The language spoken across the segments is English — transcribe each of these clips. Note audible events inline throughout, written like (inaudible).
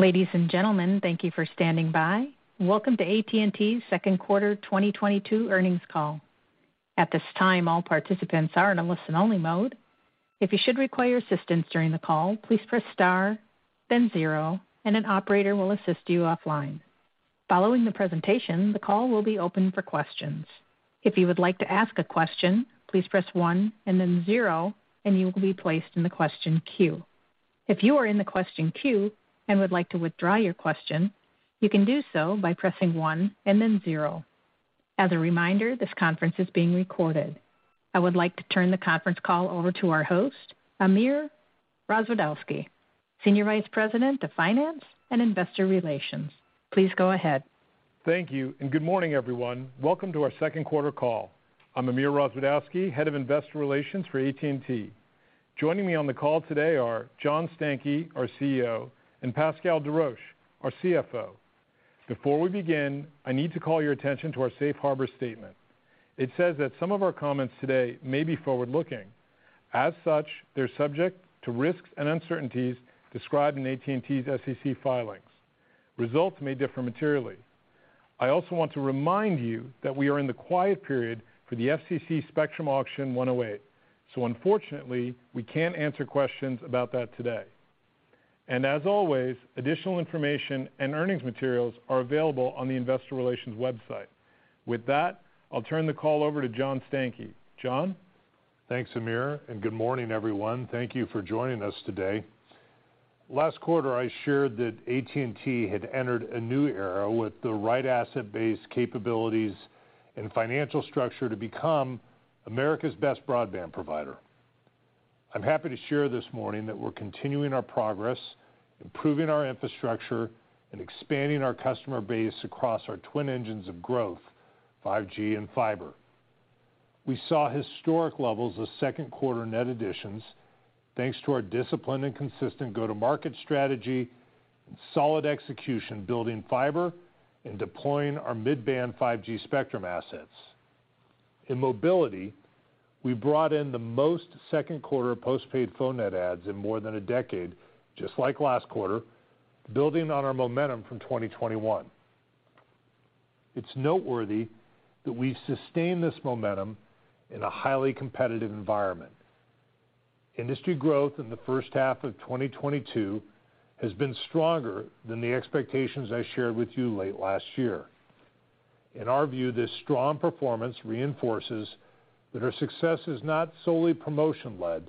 Ladies and gentlemen, thank you for standing by. Welcome to AT&T's second quarter 2022 earnings call. At this time, all participants are in a listen-only mode. If you should require assistance during the call, please press star, then zero, and an operator will assist you offline. Following the presentation, the call will be open for questions. If you would like to ask a question, please press one and then zero, and you will be placed in the question queue. If you are in the question queue and would like to withdraw your question, you can do so by pressing one and then zero. As a reminder, this conference is being recorded. I would like to turn the conference call over to our host, Amir Rozwadowski, Senior Vice President of Finance and Investor Relations. Please go ahead. Thank you, and good morning, everyone. Welcome to our second quarter call. I'm Amir Rozwadowski, Head of Investor Relations for AT&T. Joining me on the call today are John Stankey, our CEO, and Pascal Desroches, our CFO. Before we begin, I need to call your attention to our safe harbor statement. It says that some of our comments today may be forward-looking. As such, they're subject to risks and uncertainties described in AT&T's SEC filings. Results may differ materially. I also want to remind you that we are in the quiet period for the FCC Spectrum Auction 108, so unfortunately, we can't answer questions about that today. As always, additional information and earnings materials are available on the investor relations website. With that, I'll turn the call over to John Stankey. John? Thanks, Amir, and good morning, everyone. Thank you for joining us today. Last quarter, I shared that AT&T had entered a new era with the right asset-based capabilities and financial structure to become America's best broadband provider. I'm happy to share this morning that we're continuing our progress, improving our infrastructure, and expanding our customer base across our twin engines of growth, 5G and fiber. We saw historic levels of second-quarter net additions, thanks to our discipline and consistent go-to-market strategy and solid execution, building fiber and deploying our mid-band 5G spectrum assets. In mobility, we brought in the most second-quarter postpaid phone net adds in more than a decade, just like last quarter, building on our momentum from 2021. It's noteworthy that we sustain this momentum in a highly competitive environment. Industry growth in the first half of 2022 has been stronger than the expectations I shared with you late last year. In our view, this strong performance reinforces that our success is not solely promotion-led,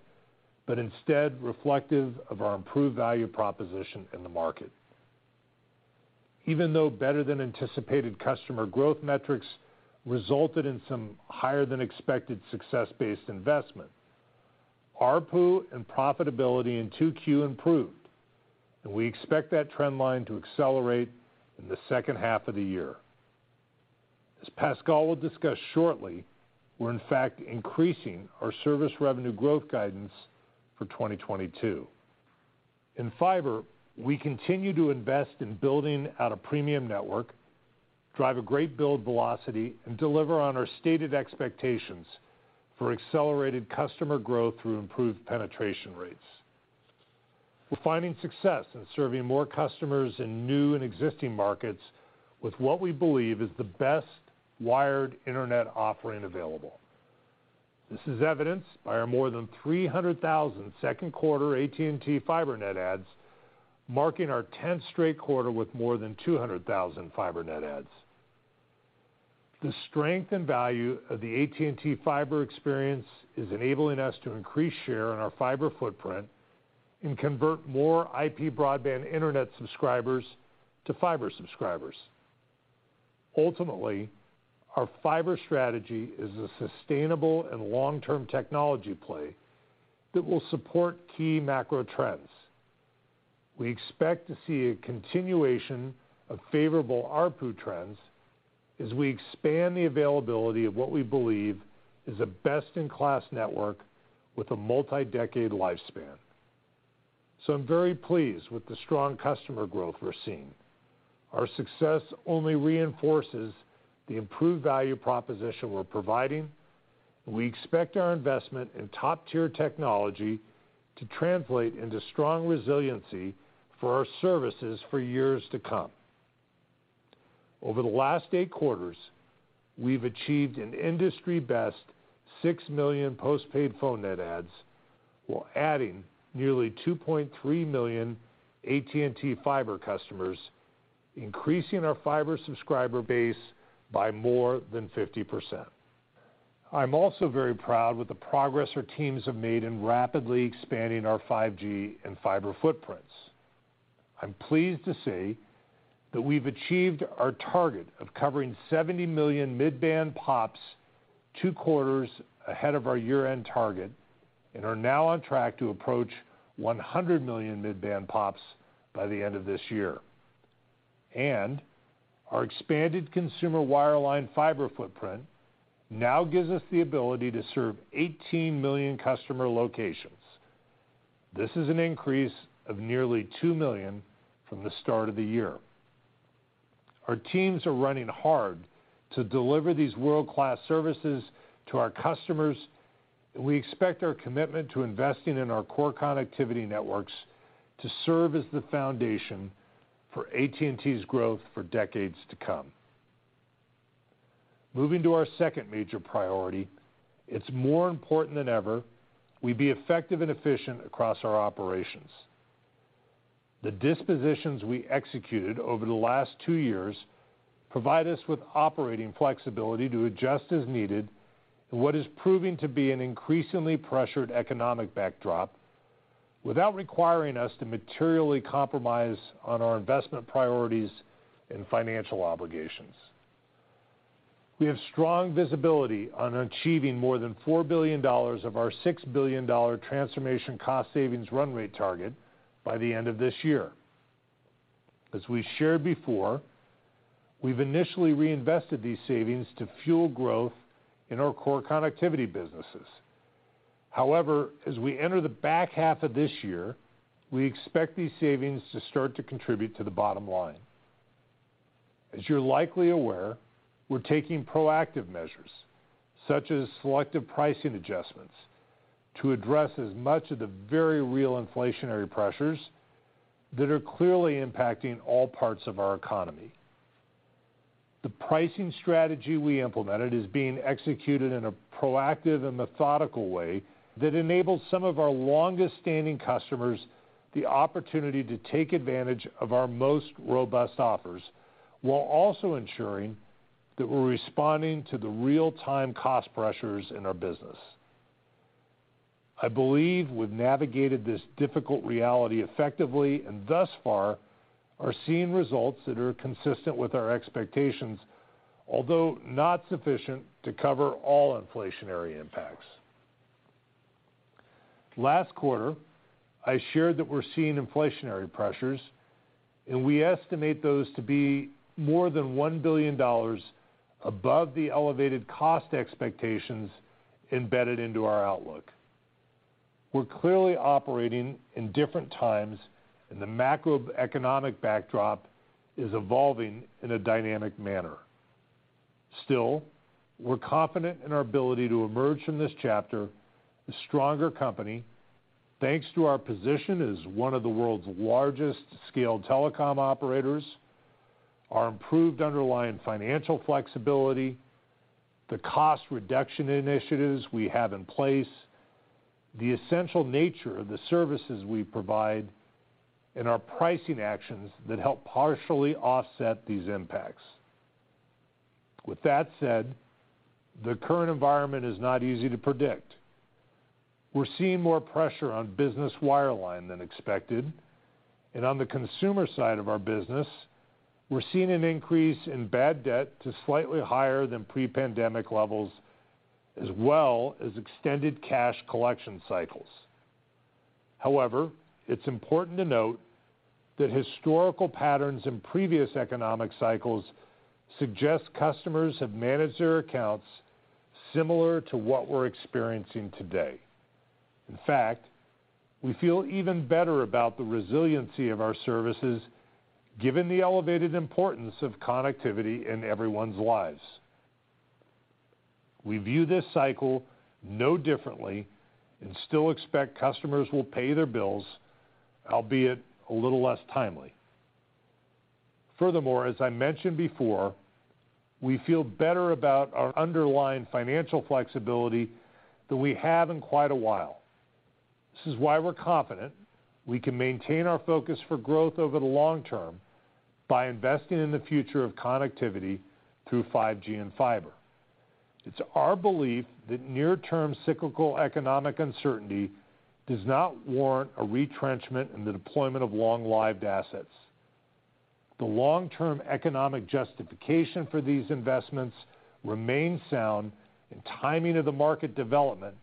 but instead reflective of our improved value proposition in the market. Even though better than anticipated customer growth metrics resulted in some higher than expected success-based investment, ARPU and profitability in 2Q improved, and we expect that trend line to accelerate in the second half of the year. As Pascal will discuss shortly, we're in fact increasing our service revenue growth guidance for 2022. In fiber, we continue to invest in building out a premium network, drive a great build velocity, and deliver on our stated expectations for accelerated customer growth through improved penetration rates. We're finding success in serving more customers in new and existing markets with what we believe is the best wired internet offering available. This is evidenced by our more than 300,000 second-quarter AT&T Fiber net adds, marking our 10th straight quarter with more than 200,000 fiber net adds. The strength and value of the AT&T Fiber experience is enabling us to increase share in our fiber footprint and convert more IP broadband internet subscribers to fiber subscribers. Ultimately, our fiber strategy is a sustainable and long-term technology play that will support key macro trends. We expect to see a continuation of favorable ARPU trends as we expand the availability of what we believe is a best-in-class network with a multi-decade lifespan. I'm very pleased with the strong customer growth we're seeing. Our success only reinforces the improved value proposition we're providing. We expect our investment in top-tier technology to translate into strong resiliency for our services for years to come. Over the last eight quarters, we've achieved an industry-best 6 million postpaid phone net adds while adding nearly 2.3 million AT&T Fiber customers, increasing our fiber subscriber base by more than 50%. I'm also very proud with the progress our teams have made in rapidly expanding our 5G and fiber footprints. I'm pleased to say that we've achieved our target of covering 70 million mid-band POPs two quarters ahead of our year-end target and are now on track to approach 100 million mid-band POPs by the end of this year. Our expanded consumer wireline fiber footprint now gives us the ability to serve 18 million customer locations. This is an increase of nearly 2 million from the start of the year. Our teams are running hard to deliver these world-class services to our customers, and we expect our commitment to investing in our core connectivity networks to serve as the foundation for AT&T's growth for decades to come. Moving to our second major priority, it's more important than ever we be effective and efficient across our operations. The dispositions we executed over the last two years provide us with operating flexibility to adjust as needed in what is proving to be an increasingly pressured economic backdrop without requiring us to materially compromise on our investment priorities and financial obligations. We have strong visibility on achieving more than $4 billion of our $6 billion transformation cost savings run rate target by the end of this year. As we shared before, we've initially reinvested these savings to fuel growth in our core connectivity businesses. However, as we enter the back half of this year, we expect these savings to start to contribute to the bottom line. As you're likely aware, we're taking proactive measures, such as selective pricing adjustments, to address as much of the very real inflationary pressures that are clearly impacting all parts of our economy. The pricing strategy we implemented is being executed in a proactive and methodical way that enables some of our longest-standing customers the opportunity to take advantage of our most robust offers, while also ensuring that we're responding to the real-time cost pressures in our business. I believe we've navigated this difficult reality effectively, and thus far, are seeing results that are consistent with our expectations, although not sufficient to cover all inflationary impacts. Last quarter, I shared that we're seeing inflationary pressures, and we estimate those to be more than $1 billion above the elevated cost expectations embedded into our outlook. We're clearly operating in different times, and the macroeconomic backdrop is evolving in a dynamic manner. Still, we're confident in our ability to emerge from this chapter a stronger company, thanks to our position as one of the world's largest scale telecom operators, our improved underlying financial flexibility, the cost reduction initiatives we have in place, the essential nature of the services we provide, and our pricing actions that help partially offset these impacts. With that said, the current environment is not easy to predict. We're seeing more pressure on business wireline than expected, and on the consumer side of our business, we're seeing an increase in bad debt to slightly higher than pre-pandemic levels, as well as extended cash collection cycles. However, it's important to note that historical patterns in previous economic cycles suggest customers have managed their accounts similar to what we're experiencing today. In fact, we feel even better about the resiliency of our services given the elevated importance of connectivity in everyone's lives. We view this cycle no differently and still expect customers will pay their bills, albeit a little less timely. Furthermore, as I mentioned before, we feel better about our underlying financial flexibility than we have in quite a while. This is why we're confident we can maintain our focus for growth over the long term by investing in the future of connectivity through 5G and fiber. It's our belief that near-term cyclical economic uncertainty does not warrant a retrenchment in the deployment of long-lived assets. The long-term economic justification for these investments remains sound, and timing of the market development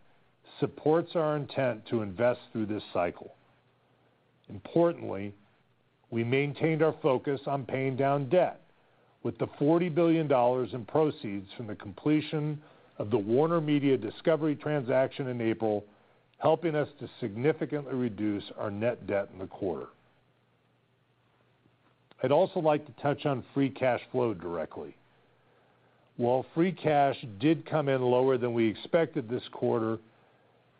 supports our intent to invest through this cycle. Importantly, we maintained our focus on paying down debt with the $40 billion in proceeds from the completion of the WarnerMedia Discovery transaction in April, helping us to significantly reduce our net debt in the quarter. I'd also like to touch on free cash flow directly. While free cash did come in lower than we expected this quarter,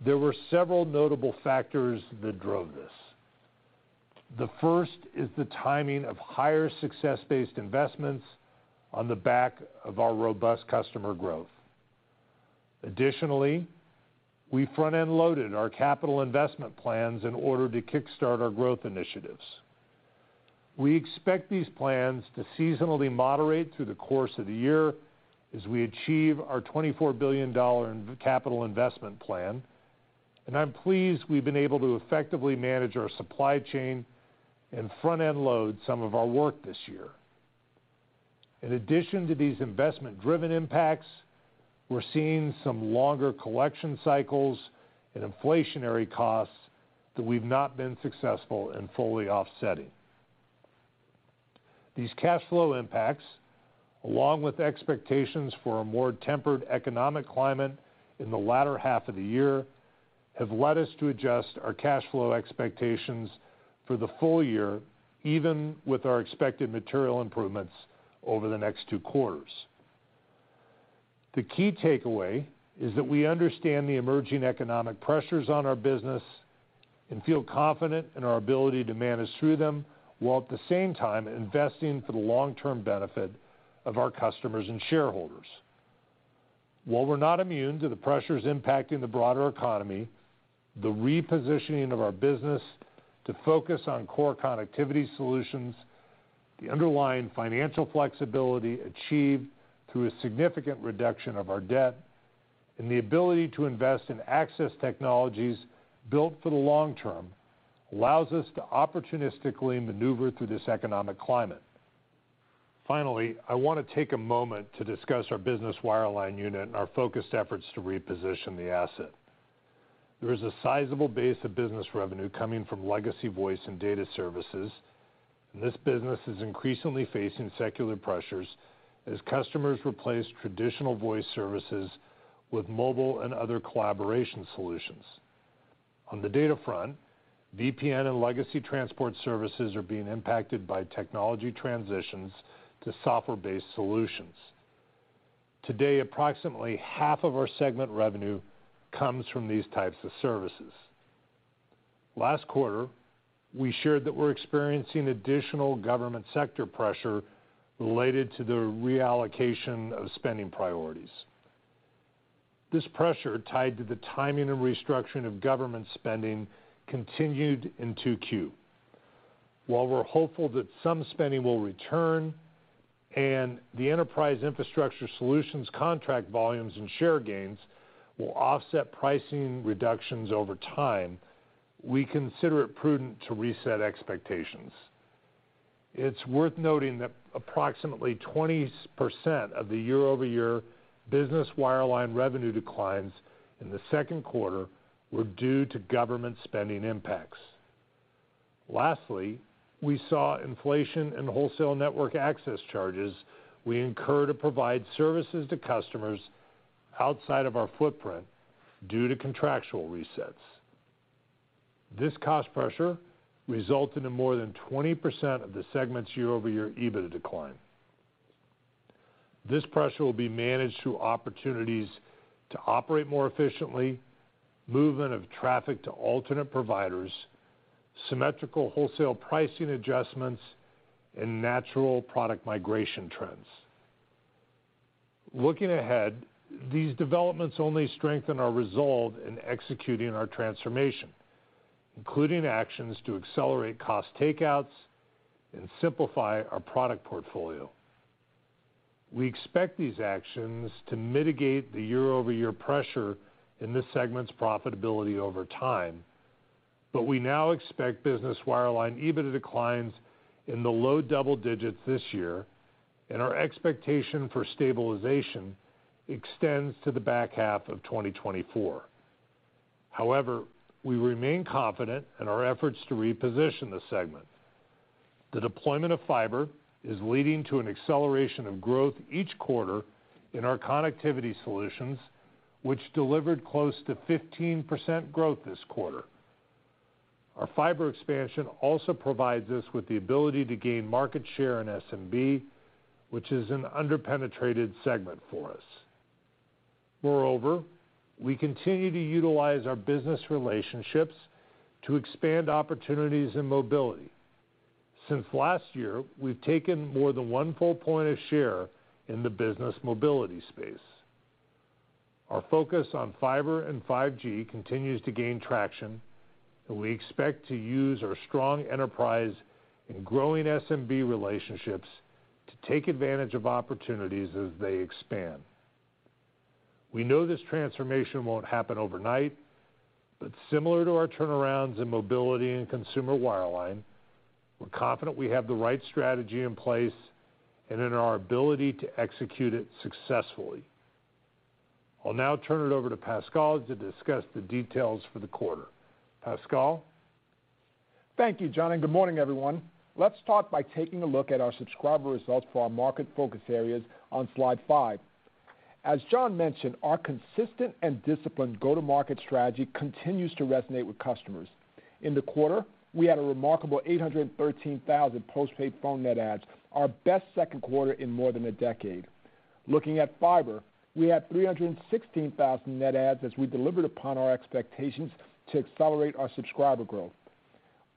there were several notable factors that drove this. The first is the timing of higher success-based investments on the back of our robust customer growth. Additionally, we front-end loaded our capital investment plans in order to kickstart our growth initiatives. We expect these plans to seasonally moderate through the course of the year as we achieve our $24 billion in capital investment plan, and I'm pleased we've been able to effectively manage our supply chain and front-end load some of our work this year. In addition to these investment-driven impacts, we're seeing some longer collection cycles and inflationary costs that we've not been successful in fully offsetting. These cash flow impacts, along with expectations for a more tempered economic climate in the latter half of the year have led us to adjust our cash flow expectations for the full year, even with our expected material improvements over the next two quarters. The key takeaway is that we understand the emerging economic pressures on our business and feel confident in our ability to manage through them, while at the same time investing for the long-term benefit of our customers and shareholders. While we're not immune to the pressures impacting the broader economy, the repositioning of our business to focus on core connectivity solutions, the underlying financial flexibility achieved through a significant reduction of our debt, and the ability to invest in access technologies built for the long term allows us to opportunistically maneuver through this economic climate. Finally, I wanna take a moment to discuss our Business Wireline unit and our focused efforts to reposition the asset. There is a sizable base of business revenue coming from legacy voice and data services, and this business is increasingly facing secular pressures as customers replace traditional voice services with mobile and other collaboration solutions. On the data front, VPN and legacy transport services are being impacted by technology transitions to software-based solutions. Today, approximately half of our segment revenue comes from these types of services. Last quarter, we shared that we're experiencing additional government sector pressure related to the reallocation of spending priorities. This pressure, tied to the timing and restructuring of government spending, continued in 2Q. While we're hopeful that some spending will return and the Enterprise Infrastructure Solutions contract volumes and share gains will offset pricing reductions over time, we consider it prudent to reset expectations. It's worth noting that approximately 20% of the year-over-year business wireline revenue declines in the second quarter were due to government spending impacts. Lastly, we saw inflation in wholesale network access charges we incur to provide services to customers outside of our footprint due to contractual resets. This cost pressure resulted in more than 20% of the segment's year-over-year EBITDA decline. This pressure will be managed through opportunities to operate more efficiently, movement of traffic to alternate providers, symmetrical wholesale pricing adjustments, and natural product migration trends. Looking ahead, these developments only strengthen our resolve in executing our transformation, including actions to accelerate cost takeouts and simplify our product portfolio. We expect these actions to mitigate the year-over-year pressure in this segment's profitability over time, but we now expect business wireline EBITDA declines in the low double digits this year, and our expectation for stabilization extends to the back half of 2024. However, we remain confident in our efforts to reposition the segment. The deployment of fiber is leading to an acceleration of growth each quarter in our connectivity solutions, which delivered close to 15% growth this quarter. Our fiber expansion also provides us with the ability to gain market share in SMB, which is an under-penetrated segment for us. Moreover, we continue to utilize our business relationships to expand opportunities in mobility. Since last year, we've taken more than one full point of share in the business mobility space. Our focus on fiber and 5G continues to gain traction, and we expect to use our strong enterprise and growing SMB relationships to take advantage of opportunities as they expand. We know this transformation won't happen overnight, but similar to our turnarounds in mobility and consumer wireline, we're confident we have the right strategy in place and in our ability to execute it successfully. I'll now turn it over to Pascal to discuss the details for the quarter. Pascal? Thank you, John, and good morning, everyone. Let's start by taking a look at our subscriber results for our market focus areas on slide five. As John mentioned, our consistent and disciplined go-to-market strategy continues to resonate with customers. In the quarter, we had a remarkable 813,000 postpaid phone net adds, our best second quarter in more than a decade. Looking at fiber, we had 316,000 net adds as we delivered upon our expectations to accelerate our subscriber growth.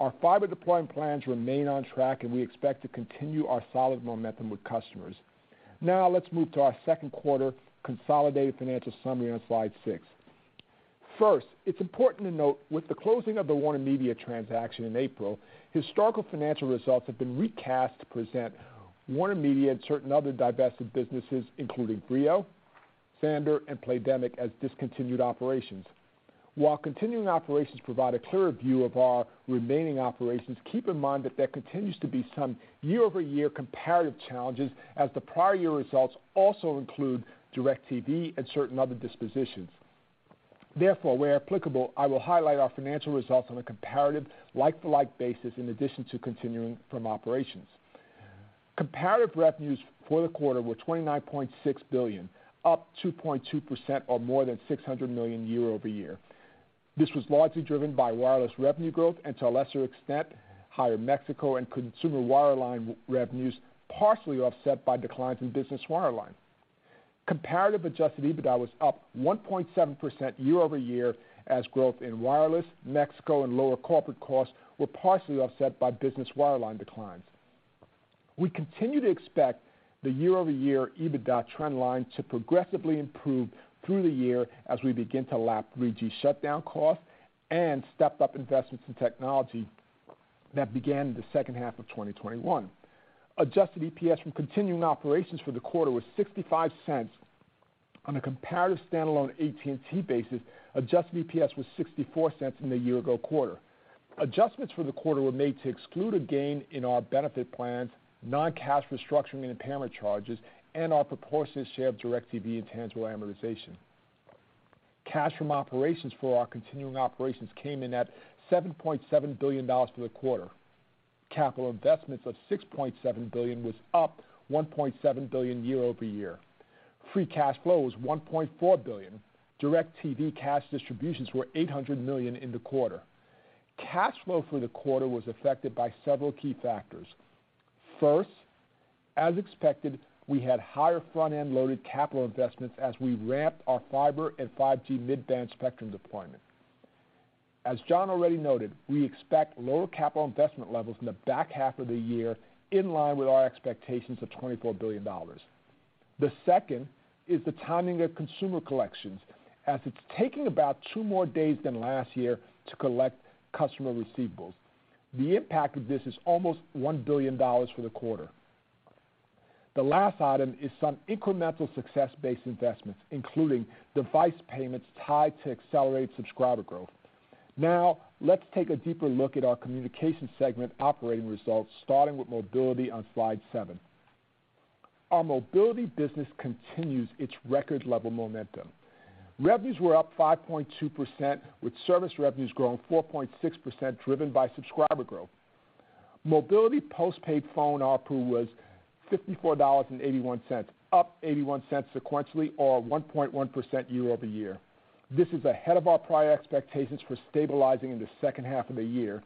Our fiber deployment plans remain on track, and we expect to continue our solid momentum with customers. Now let's move to our second-quarter consolidated financial summary on slide six. First, it's important to note with the closing of the WarnerMedia transaction in April, historical financial results have been recast to present WarnerMedia and certain other divested businesses, including Vrio, Xandr, and Playdemic, as discontinued operations. While continuing operations provide a clearer view of our remaining operations, keep in mind that there continues to be some year-over-year comparative challenges, as the prior year results also include DIRECTV and certain other dispositions. Therefore, where applicable, I will highlight our financial results on a comparative like-for-like basis, in addition to continuing operations. Comparative revenues for the quarter were $29.6 billion, up 2.2% or more than $600 million year-over-year. This was largely driven by wireless revenue growth and to a lesser extent, higher Mexico and consumer wireline revenues, partially offset by declines in business wireline. Comparative adjusted EBITDA was up 1.7% year-over-year, as growth in wireless, Mexico, and lower corporate costs were partially offset by business wireline declines. We continue to expect the year-over-year EBITDA trend line to progressively improve through the year as we begin to lap 3G shutdown costs and step up investments in technology that began in the second half of 2021. Adjusted EPS from continuing operations for the quarter was $0.65. On a comparative standalone AT&T basis, adjusted EPS was $0.64 in the year ago quarter. Adjustments for the quarter were made to exclude a gain in our benefit plans, non-cash restructuring and impairment charges, and our proportionate share of DIRECTV intangible amortization. Cash from operations for our continuing operations came in at $7.7 billion for the quarter. Capital investments of $6.7 billion was up $1.7 billion year-over-year. Free cash flow was $1.4 billion. DIRECTV cash distributions were $800 million in the quarter. Cash flow for the quarter was affected by several key factors. First, as expected, we had higher front-end-loaded capital investments as we ramped our fiber and 5G mid-band spectrum deployment. As John already noted, we expect lower capital investment levels in the back half of the year, in line with our expectations of $24 billion. The second is the timing of consumer collections, as it's taking about two more days than last year to collect customer receivables. The impact of this is almost $1 billion for the quarter. The last item is some incremental success-based investments, including device payments tied to accelerated subscriber growth. Now, let's take a deeper look at our communication segment operating results, starting with mobility on slide seven. Our mobility business continues its record level momentum. Revenues were up 5.2%, with service revenues growing 4.6%, driven by subscriber growth. Mobility post-paid phone ARPU was $54.81, up $0.81 sequentially or 1.1% year-over-year. This is ahead of our prior expectations for stabilizing in the second half of the year.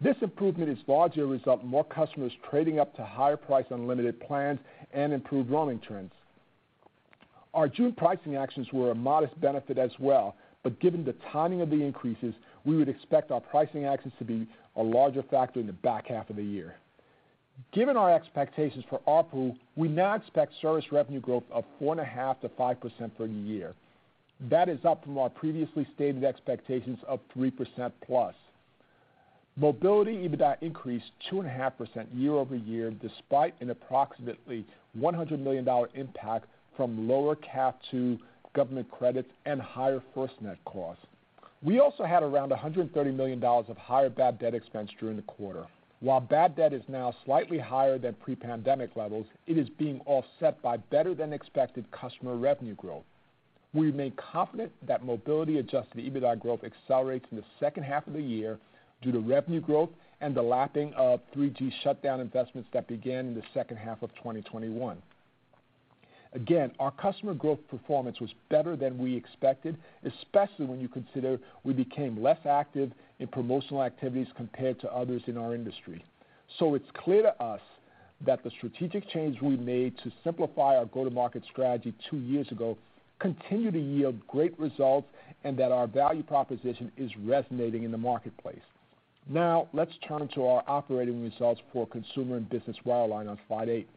This improvement is largely a result of more customers trading up to higher price unlimited plans and improved roaming trends. Our June pricing actions were a modest benefit as well, but given the timing of the increases, we would expect our pricing actions to be a larger factor in the back half of the year. Given our expectations for ARPU, we now expect service revenue growth of 4.5%-5% for the year. That is up from our previously stated expectations of 3%+. Mobility EBITDA increased 2.5% year-over-year, despite an approximately $100 million impact from lower CAF II government credits and higher FirstNet costs. We also had around $130 million of higher bad debt expense during the quarter. While bad debt is now slightly higher than pre-pandemic levels, it is being offset by better than expected customer revenue growth. We remain confident that mobility adjusted EBITDA growth accelerates in the second half of the year due to revenue growth and the lapping of 3G shutdown investments that began in the second half of 2021. Again, our customer growth performance was better than we expected, especially when you consider we became less active in promotional activities compared to others in our industry. It's clear to us that the strategic change we made to simplify our go-to-market strategy two years ago continue to yield great results and that our value proposition is resonating in the marketplace. Now, let's turn to our operating results for consumer and business wireline on slide eight.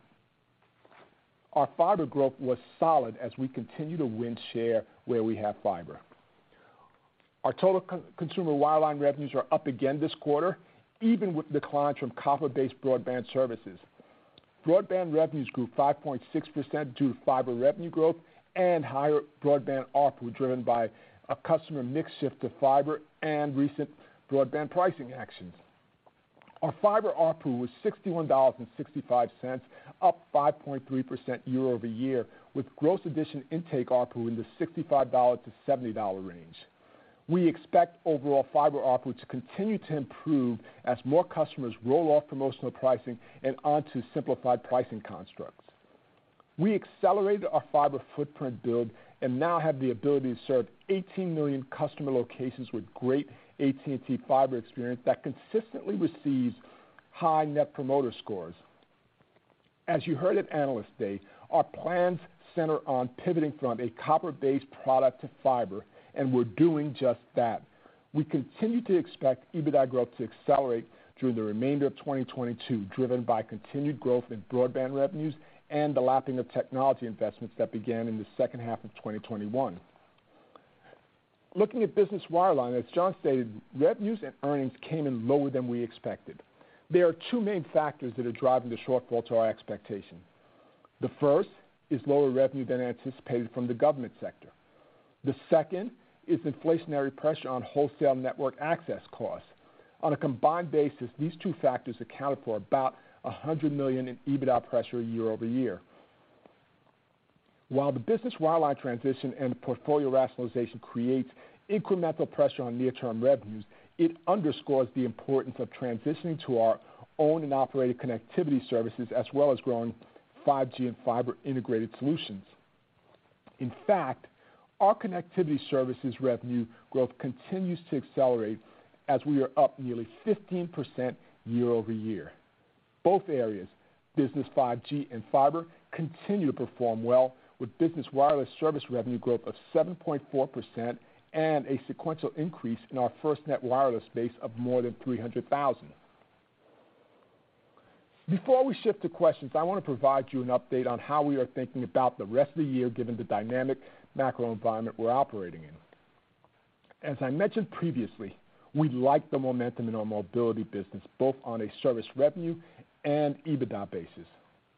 Our fiber growth was solid as we continue to win share where we have fiber. Our total consumer wireline revenues are up again this quarter, even with declines from copper-based broadband services. Broadband revenues grew 5.6% due to fiber revenue growth and higher broadband ARPU, driven by a customer mix shift to fiber and recent broadband pricing actions. Our fiber ARPU was $61.65, up 5.3% year-over-year, with gross addition intake ARPU in the $65-$70 range. We expect overall fiber ARPU to continue to improve as more customers roll off promotional pricing and onto simplified pricing constructs. We accelerated our fiber footprint build and now have the ability to serve 18 million customer locations with great AT&T Fiber experience that consistently receives high net promoter scores. As you heard at Analyst Day, our plans center on pivoting from a copper-based product to fiber, and we're doing just that. We continue to expect EBITDA growth to accelerate through the remainder of 2022, driven by continued growth in broadband revenues and the lapping of technology investments that began in the second half of 2021. Looking at business wireline, as John stated, revenues and earnings came in lower than we expected. There are two main factors that are driving the shortfall to our expectation. The first is lower revenue than anticipated from the government sector. The second is inflationary pressure on wholesale network access costs. On a combined basis, these two factors accounted for about $100 million in EBITDA pressure year-over-year. While the business wireline transition and portfolio rationalization creates incremental pressure on near-term revenues, it underscores the importance of transitioning to our own and operated connectivity services as well as growing 5G and fiber integrated solutions. In fact, our connectivity services revenue growth continues to accelerate as we are up nearly 15% year-over-year. Both areas, business 5G and fiber continue to perform well with business wireless service revenue growth of 7.4% and a sequential increase in our FirstNet wireless base of more than 300,000. Before we shift to questions, I want to provide you an update on how we are thinking about the rest of the year given the dynamic macro environment we're operating in. As I mentioned previously, we like the momentum in our mobility business, both on a service revenue and EBITDA basis.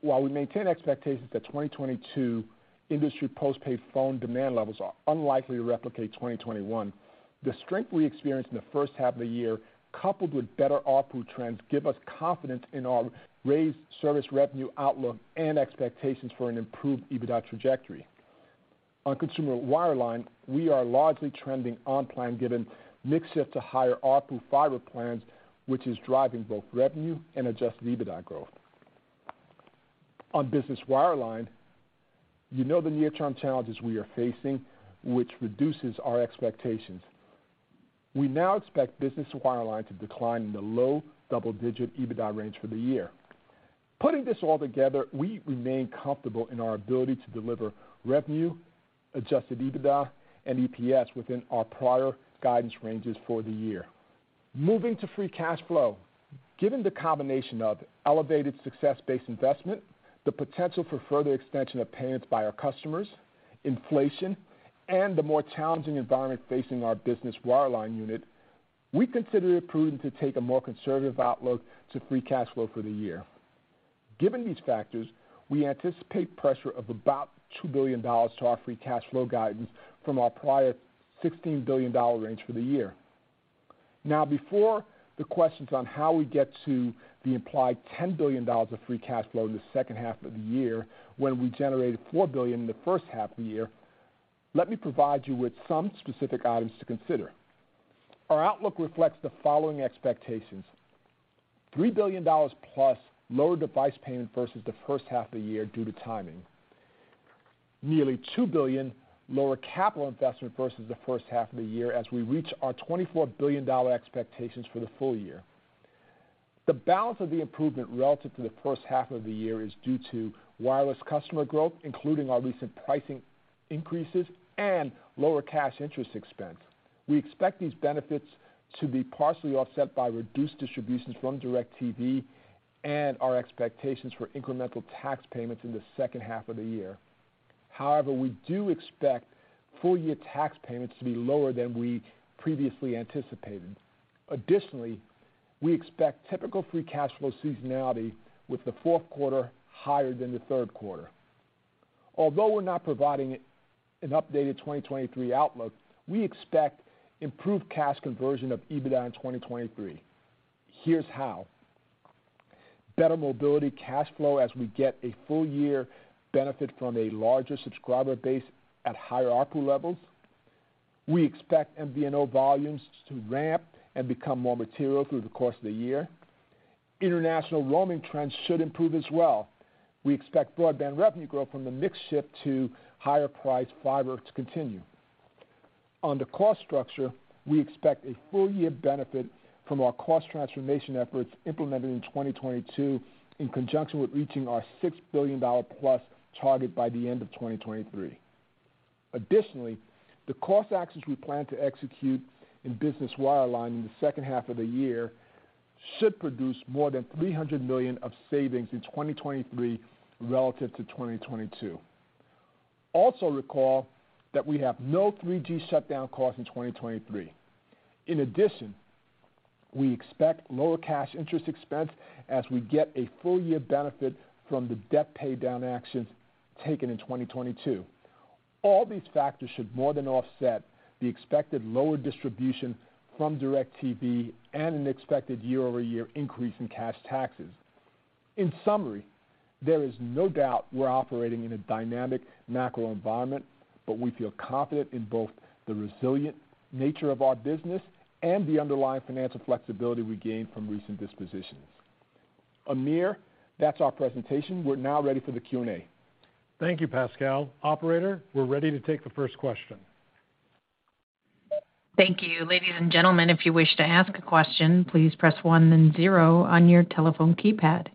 While we maintain expectations that 2022 industry postpaid phone demand levels are unlikely to replicate 2021, the strength we experienced in the first half of the year, coupled with better ARPU trends, give us confidence in our raised service revenue outlook and expectations for an improved EBITDA trajectory. On consumer wireline, we are largely trending on plan given mix shift to higher ARPU fiber plans, which is driving both revenue and adjusted EBITDA growth. On business wireline, you know the near-term challenges we are facing, which reduces our expectations. We now expect business wireline to decline in the low double-digit EBITDA range for the year. Putting this all together, we remain comfortable in our ability to deliver revenue, adjusted EBITDA, and EPS within our prior guidance ranges for the year. Moving to free cash flow. Given the combination of elevated success-based investment, the potential for further extension of payments by our customers, inflation, and the more challenging environment facing our business wireline unit, we consider it prudent to take a more conservative outlook to free cash flow for the year. Given these factors, we anticipate pressure of about $2 billion to our free cash flow guidance from our prior $16 billion range for the year. Before the questions on how we get to the implied $10 billion of free cash flow in the second half of the year, when we generated $4 billion in the first half of the year, let me provide you with some specific items to consider. Our outlook reflects the following expectations. $3 billion from lower device payments versus the first half of the year due to timing. Nearly $2 billion lower capital investment versus the first half of the year as we reach our $24 billion expectations for the full year. The balance of the improvement relative to the first half of the year is due to wireless customer growth, including our recent pricing increases and lower cash interest expense. We expect these benefits to be partially offset by reduced distributions from DIRECTV and our expectations for incremental tax payments in the second half of the year. However, we do expect full year tax payments to be lower than we previously anticipated. Additionally, we expect typical free cash flow seasonality with the fourth quarter higher than the third quarter. Although we're not providing an updated 2023 outlook, we expect improved cash conversion of EBITDA in 2023. Here's how. Better mobility cash flow as we get a full year benefit from a larger subscriber base at higher ARPU levels. We expect MVNO volumes to ramp and become more material through the course of the year. International roaming trends should improve as well. We expect broadband revenue growth from the mix shift to higher priced fiber to continue. On the cost structure, we expect a full year benefit from our cost transformation efforts implemented in 2022 in conjunction with reaching our $6 billion+ target by the end of 2023. Additionally, the cost actions we plan to execute in business wireline in the second half of the year should produce more than $300 million of savings in 2023 relative to 2022. Also recall that we have no 3G shutdown costs in 2023. In addition, we expect lower cash interest expense as we get a full year benefit from the debt paydown actions taken in 2022. All these factors should more than offset the expected lower distribution from DIRECTV and an expected year-over-year increase in cash taxes. In summary, there is no doubt we're operating in a dynamic macro environment, but we feel confident in both the resilient nature of our business and the underlying financial flexibility we gained from recent dispositions. Amir, that's our presentation. We're now ready for the Q&A. Thank you, Pascal. Operator, we're ready to take the first question. Thank you. Ladies and gentlemen, if you wish to ask a question, please press one then zero on your telephone keypad.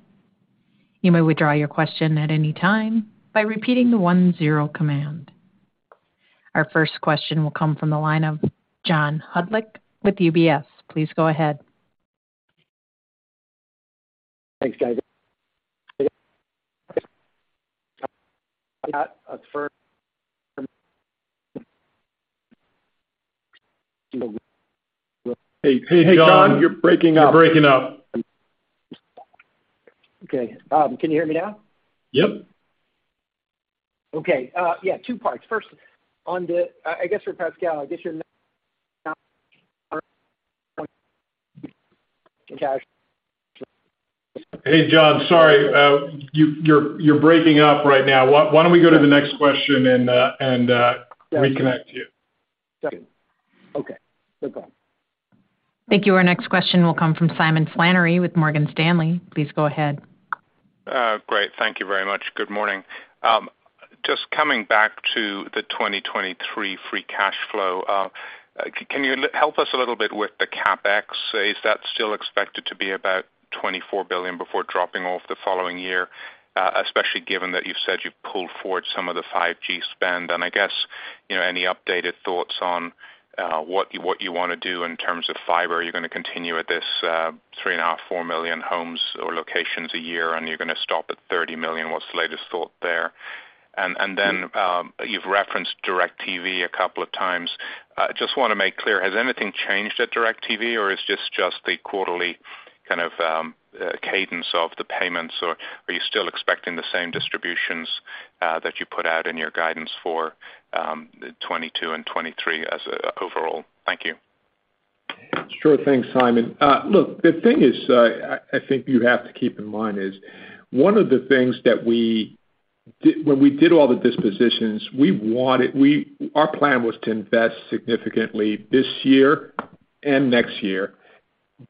You may withdraw your question at any time by repeating the one zero command. Our first question will come from the line of John Hodulik with UBS. Please go ahead. Thanks, guys. Hey, John, you're breaking up. Okay. Can you hear me now? Yep. Okay. Yeah, two parts. First, I guess for Pascal, I guess you're (audio distortion) Hey, John. Sorry, you're breaking up right now. Why don't we go to the next question and reconnect you? Okay. No problem. Thank you. Our next question will come from Simon Flannery with Morgan Stanley. Please go ahead. Great. Thank you very much. Good morning. Just coming back to the 2023 free cash flow. Can you help us a little bit with the CapEx? Is that still expected to be about $24 billion before dropping off the following year, especially given that you've said you've pulled forward some of the 5G spend? I guess, you know, any updated thoughts on what you wanna do in terms of fiber? Are you gonna continue at this 3.5-4 million homes or locations a year, and you're gonna stop at 30 million? What's the latest thought there? Then, you've referenced DIRECTV a couple of times. Just wanna make clear, has anything changed at DIRECTV, or is this just the quarterly kind of cadence of the payments, or are you still expecting the same distributions that you put out in your guidance for 2022 and 2023 as overall? Thank you. Sure thing, Simon. Look, the thing is, I think you have to keep in mind is one of the things that we did when we did all the dispositions, we wanted, our plan was to invest significantly this year and next year,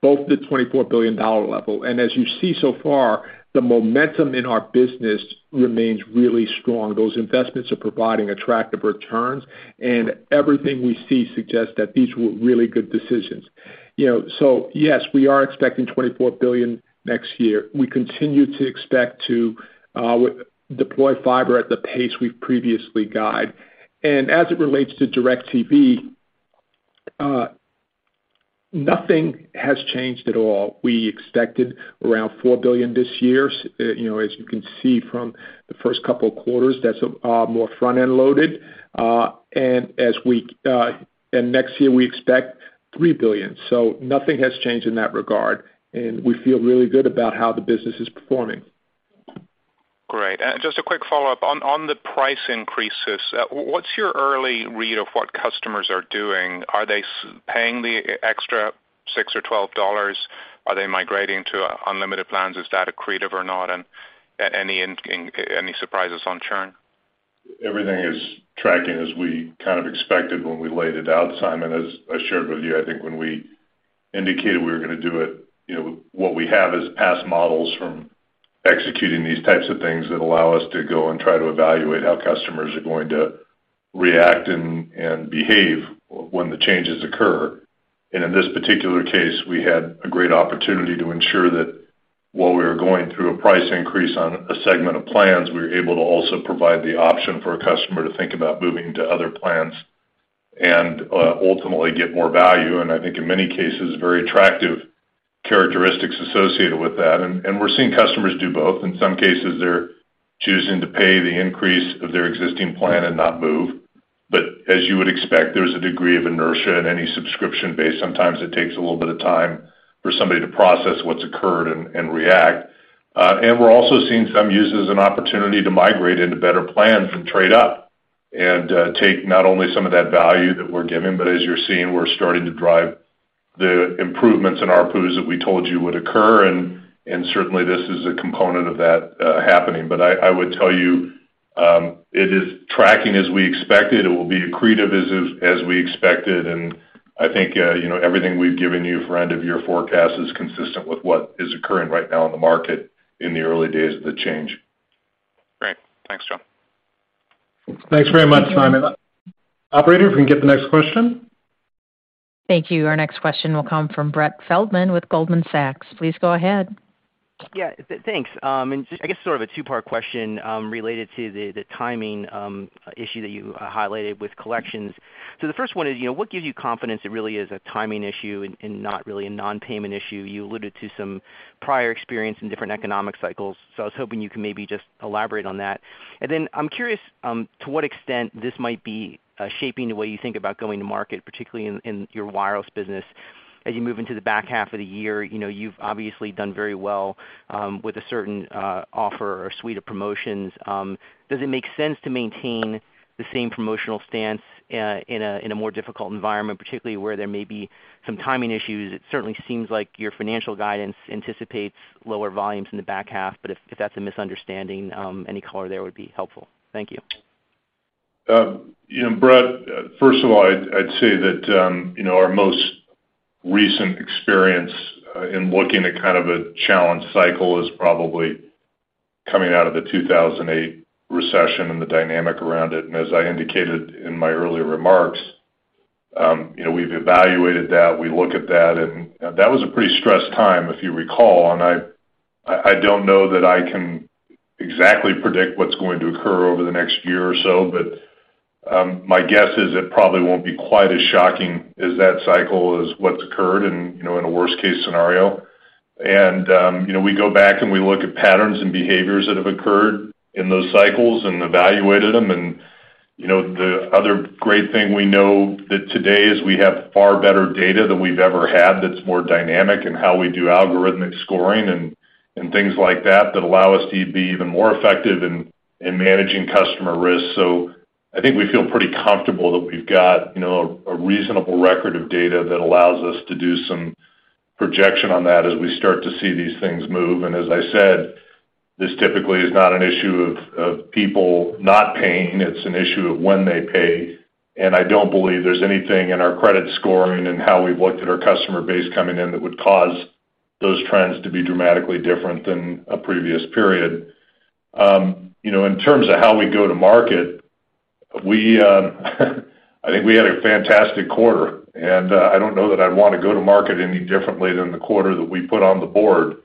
both at the $24 billion level. As you see so far, the momentum in our business remains really strong. Those investments are providing attractive returns, and everything we see suggests that these were really good decisions. You know, yes, we are expecting $24 billion next year. We continue to expect to deploy fiber at the pace we've previously guided. As it relates to DIRECTV, nothing has changed at all. We expected around $4 billion this year. You know, as you can see from the first couple of quarters, that's more front-end loaded. Next year, we expect $3 billion. Nothing has changed in that regard, and we feel really good about how the business is performing. Great. Just a quick follow-up on the price increases, what's your early read of what customers are doing? Are they paying the extra $6 or $12? Are they migrating to unlimited plans? Is that accretive or not? Any surprises on churn? Everything is tracking as we kind of expected when we laid it out, Simon. As I shared with you, I think when we indicated we were gonna do it, you know, what we have is past models from executing these types of things that allow us to go and try to evaluate how customers are going to react and behave when the changes occur. In this particular case, we had a great opportunity to ensure that while we were going through a price increase on a segment of plans, we were able to also provide the option for a customer to think about moving to other plans and ultimately get more value, and I think in many cases, very attractive characteristics associated with that. We're seeing customers do both. In some cases, they're choosing to pay the increase of their existing plan and not move. As you would expect, there's a degree of inertia in any subscription base. Sometimes it takes a little bit of time for somebody to process what's occurred and react. And we're also seeing some use it as an opportunity to migrate into better plans and trade up and take not only some of that value that we're giving, but as you're seeing, we're starting to drive the improvements in our pools that we told you would occur. And certainly, this is a component of that happening. I would tell you it is tracking as we expected. It will be accretive as we expected. And I think you know, everything we've given you for end-of-year forecast is consistent with what is occurring right now in the market in the early days of the change. Great. Thanks, John. Thanks very much, Simon. Operator, if we can get the next question. Thank you. Our next question will come from Brett Feldman with Goldman Sachs. Please go ahead. Yeah. Thanks. Just, I guess, sort of a two-part question related to the timing issue that you highlighted with collections. The first one is, you know, what gives you confidence it really is a timing issue and not really a non-payment issue? You alluded to some prior experience in different economic cycles. I was hoping you can maybe just elaborate on that. Then I'm curious to what extent this might be shaping the way you think about going to market, particularly in your wireless business. As you move into the back half of the year, you know, you've obviously done very well with a certain offer or suite of promotions. Does it make sense to maintain the same promotional stance in a more difficult environment, particularly where there may be some timing issues? It certainly seems like your financial guidance anticipates lower volumes in the back half, but if that's a misunderstanding, any color there would be helpful. Thank you. You know, Brett, first of all, I'd say that, you know, our most recent experience in looking at kind of a challenged cycle is probably coming out of the 2008 recession and the dynamic around it. As I indicated in my earlier remarks, you know, we've evaluated that, we look at that, and that was a pretty stressed time if you recall. I don't know that I can exactly predict what's going to occur over the next year or so, but my guess is it probably won't be quite as shocking as that cycle is what's occurred in, you know, in a worst case scenario. You know, we go back and we look at patterns and behaviors that have occurred in those cycles and evaluated them. You know, the other great thing we know that today is we have far better data than we've ever had that's more dynamic in how we do algorithmic scoring and things like that that allow us to be even more effective in managing customer risk. I think we feel pretty comfortable that we've got, you know, a reasonable record of data that allows us to do some projection on that as we start to see these things move. As I said, this typically is not an issue of people not paying. It's an issue of when they pay. I don't believe there's anything in our credit scoring and how we've looked at our customer base coming in that would cause those trends to be dramatically different than a previous period. You know, in terms of how we go to market, we, I think we had a fantastic quarter, and I don't know that I'd wanna go to market any differently than the quarter that we put on the board.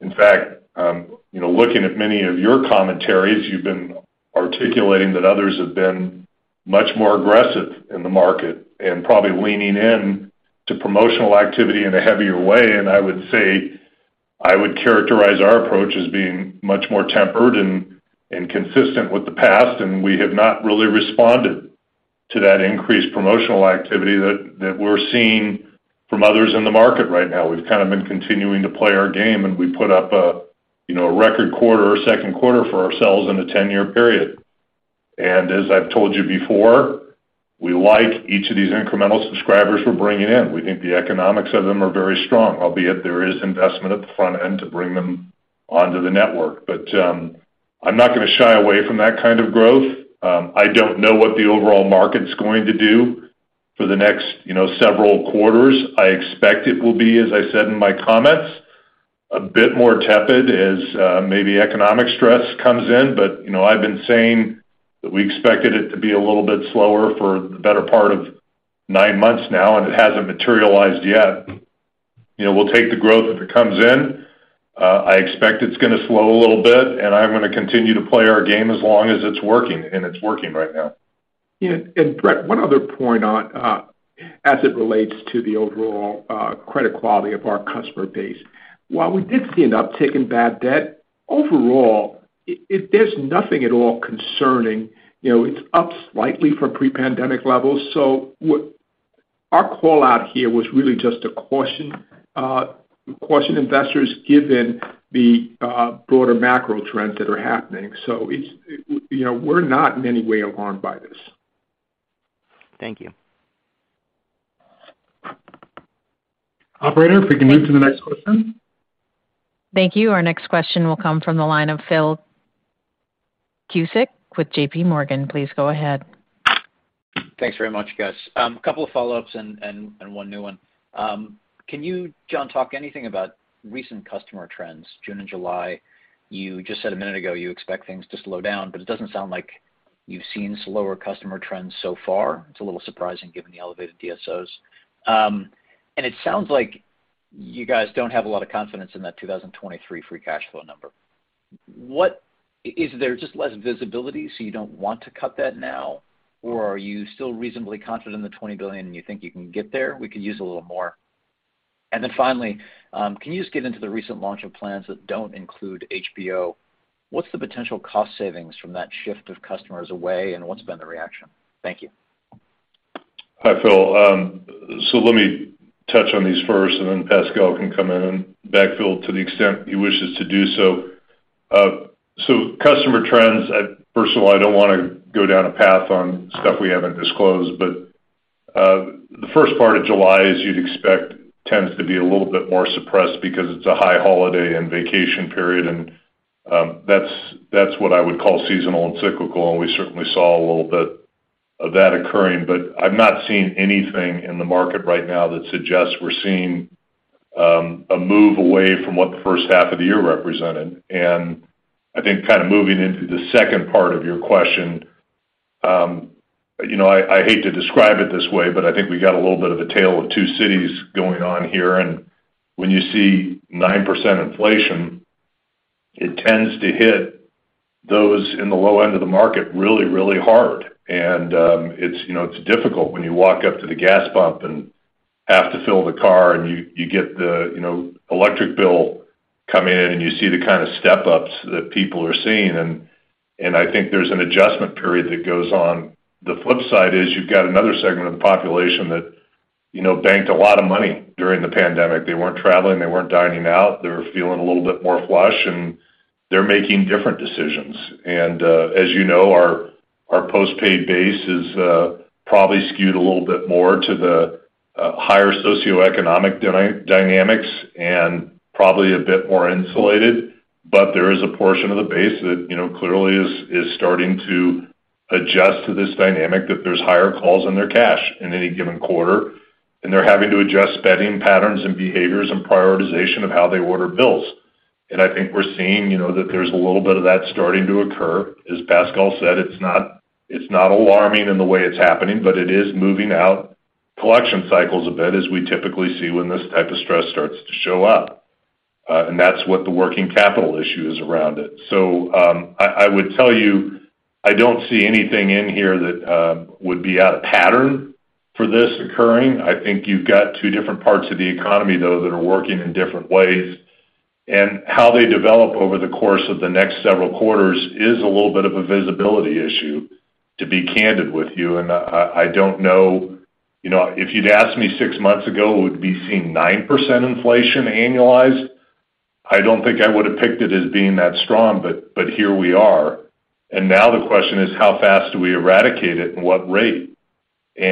In fact, you know, looking at many of your commentaries, you've been articulating that others have been much more aggressive in the market and probably leaning in to promotional activity in a heavier way. I would say, I would characterize our approach as being much more tempered and consistent with the past, and we have not really responded to that increased promotional activity that we're seeing from others in the market right now. We've kind of been continuing to play our game, and we put up a, you know, a record second quarter for ourselves in a 10-year period. As I've told you before, we like each of these incremental subscribers we're bringing in. We think the economics of them are very strong, albeit there is investment at the front end to bring them onto the network. I'm not gonna shy away from that kind of growth. I don't know what the overall market's going to do for the next, you know, several quarters. I expect it will be, as I said in my comments, a bit more tepid as maybe economic stress comes in. You know, I've been saying that we expected it to be a little bit slower for the better part of nine months now, and it hasn't materialized yet. You know, we'll take the growth if it comes in. I expect it's gonna slow a little bit, and I'm gonna continue to play our game as long as it's working, and it's working right now. Yeah. Brett, one other point on, as it relates to the overall credit quality of our customer base. While we did see an uptick in bad debt, overall, there's nothing at all concerning. You know, it's up slightly from pre-pandemic levels. Our call-out here was really just to caution investors given the broader macro trends that are happening. It's, you know, we're not in any way alarmed by this. Thank you. Operator, if we can move to the next question. Thank you. Our next question will come from the line of Philip Cusick with JPMorgan. Please go ahead. Thanks very much, guys. A couple of follow-ups and one new one. Can you, John, talk anything about recent customer trends, June and July? You just said a minute ago you expect things to slow down, but it doesn't sound like you've seen slower customer trends so far. It's a little surprising given the elevated DSO. It sounds like you guys don't have a lot of confidence in that 2023 free cash flow number. What is there just less visibility, so you don't want to cut that now? Or are you still reasonably confident in the $20 billion, and you think you can get there? We could use a little more. Finally, can you just get into the recent launch of plans that don't include HBO? What's the potential cost savings from that shift of customers away, and what's been the reaction? Thank you. Hi, Philip. Let me touch on these first, and then Pascal can come in and backfill to the extent he wishes to do so. Customer trends, I personally, I don't wanna go down a path on stuff we haven't disclosed, but the first part of July, as you'd expect, tends to be a little bit more suppressed because it's a high holiday and vacation period, and that's what I would call seasonal and cyclical, and we certainly saw a little bit of that occurring. I've not seen anything in the market right now that suggests we're seeing a move away from what the first half of the year represented. I think kinda moving into the second part of your question, you know, I hate to describe it this way, but I think we got a little bit of a tale of two cities going on here. When you see 9% inflation, it tends to hit those in the low end of the market really, really hard. It's you know, it's difficult when you walk up to the gas pump and have to fill the car and you get the electric bill come in and you see the kinda step-ups that people are seeing. I think there's an adjustment period that goes on. The flip side is you've got another segment of the population that, you know, banked a lot of money during the pandemic. They weren't traveling, they weren't dining out, they were feeling a little bit more flush, and they're making different decisions. As you know, our post-paid base is probably skewed a little bit more to the higher socioeconomic dynamics and probably a bit more insulated. There is a portion of the base that, you know, clearly is starting to adjust to this dynamic that there's higher calls on their cash in any given quarter, and they're having to adjust spending patterns and behaviors and prioritization of how they order bills. I think we're seeing, you know, that there's a little bit of that starting to occur. As Pascal said, it's not alarming in the way it's happening, but it is moving out collection cycles a bit as we typically see when this type of stress starts to show up. That's what the working capital issue is around it. I would tell you, I don't see anything in here that would be out of pattern for this occurring. I think you've got two different parts of the economy, though, that are working in different ways. How they develop over the course of the next several quarters is a little bit of a visibility issue, to be candid with you. I don't know. You know, if you'd asked me six months ago, would we be seeing 9% inflation annualized? I don't think I would have picked it as being that strong, but here we are. Now the question is how fast do we eradicate it and what rate? You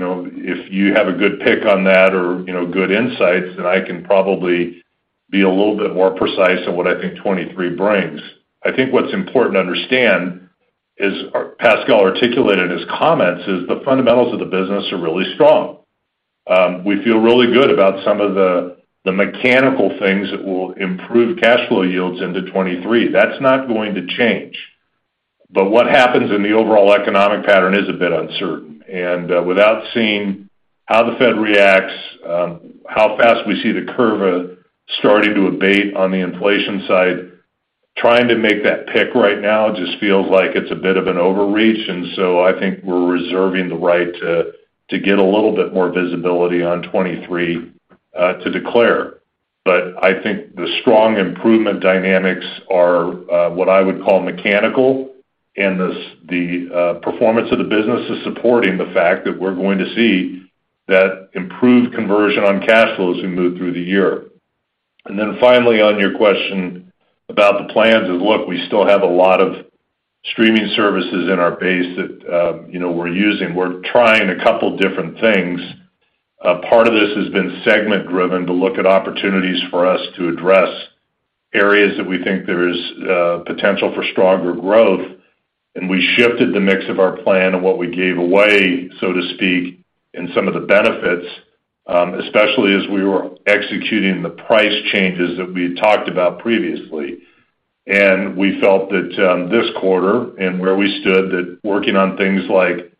know, if you have a good pick on that or, you know, good insights, then I can probably be a little bit more precise on what I think 2023 brings. I think what's important to understand is, Pascal articulated in his comments, is the fundamentals of the business are really strong. We feel really good about some of the mechanical things that will improve cash flow yields into 2023. That's not going to change. What happens in the overall economic pattern is a bit uncertain. Without seeing how the Fed reacts, how fast we see the curve starting to abate on the inflation side, trying to make that pick right now just feels like it's a bit of an overreach. I think we're reserving the right to get a little bit more visibility on 2023 to declare. I think the strong improvement dynamics are what I would call mechanical, and the performance of the business is supporting the fact that we're going to see that improved conversion on cash flows as we move through the year. Then finally, on your question about the plans is, look, we still have a lot of streaming services in our base that, you know, we're using. We're trying a couple different things. A part of this has been segment-driven to look at opportunities for us to address areas that we think there is potential for stronger growth. We shifted the mix of our plan and what we gave away, so to speak, in some of the benefits, especially as we were executing the price changes that we had talked about previously. We felt that, this quarter and where we stood, that working on things like,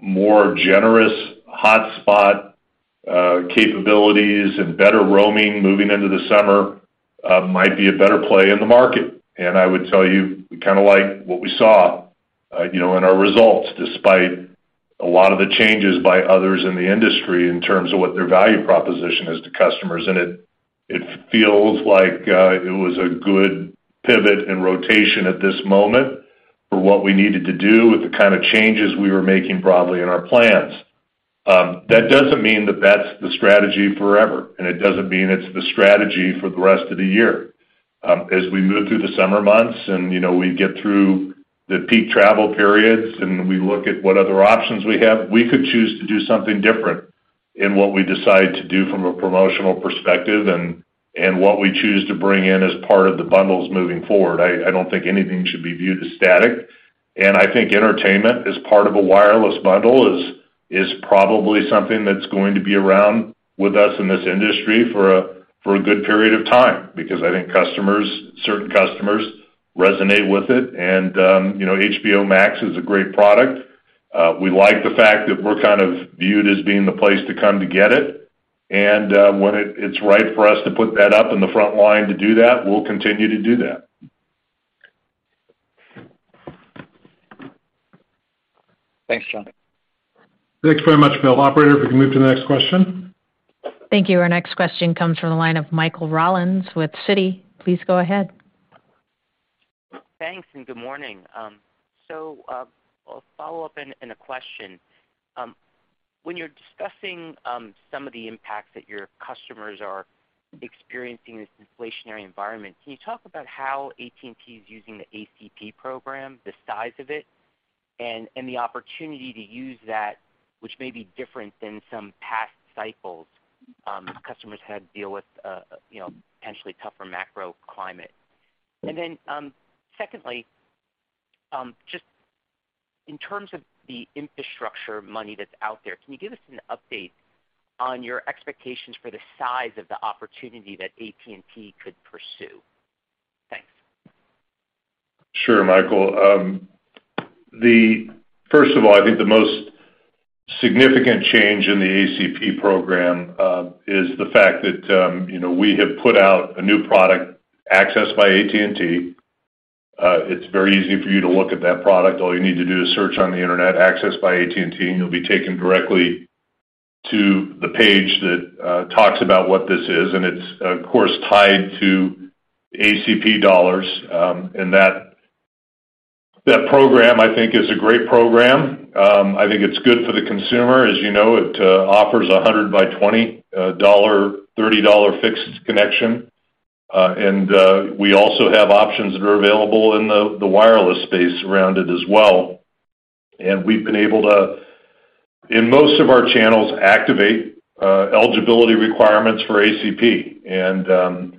more generous hotspot capabilities and better roaming moving into the summer, might be a better play in the market. I would tell you, we kinda like what we saw, you know, in our results, despite a lot of the changes by others in the industry in terms of what their value proposition is to customers. It feels like it was a good pivot and rotation at this moment for what we needed to do with the kind of changes we were making broadly in our plans. That doesn't mean that that's the strategy forever, and it doesn't mean it's the strategy for the rest of the year. As we move through the summer months and, you know, we get through the peak travel periods and we look at what other options we have, we could choose to do something different in what we decide to do from a promotional perspective and what we choose to bring in as part of the bundles moving forward. I don't think anything should be viewed as static. I think entertainment as part of a wireless bundle is probably something that's going to be around with us in this industry for a good period of time because I think customers, certain customers resonate with it. You know, HBO Max is a great product. We like the fact that we're kind of viewed as being the place to come to get it. When it's right for us to put that up in the front line to do that, we'll continue to do that. Thanks, John. Thanks very much, Bill. Operator, if we can move to the next question. Thank you. Our next question comes from the line of Michael Rollins with Citi. Please go ahead. Thanks, and good morning. A follow-up and a question. When you're discussing some of the impacts that your customers are experiencing in this inflationary environment, can you talk about how AT&T is using the ACP program, the size of it, and the opportunity to use that, which may be different than some past cycles customers had to deal with, you know, potentially tougher macro climate? Secondly, just in terms of the infrastructure money that's out there, can you give us an update on your expectations for the size of the opportunity that AT&T could pursue? Thanks. Sure, Michael. First of all, I think the most significant change in the ACP program is the fact that, you know, we have put out a new product, Access from AT&T. It's very easy for you to look at that product. All you need to do is search on the Internet Access from AT&T, and you'll be taken directly to the page that talks about what this is. It's, of course, tied to ACP dollars. That program, I think, is a great program. I think it's good for the consumer. As you know, it offers 100 by $20, $30 fixed connection. We also have options that are available in the wireless space around it as well. We've been able to, in most of our channels, activate eligibility requirements for ACP.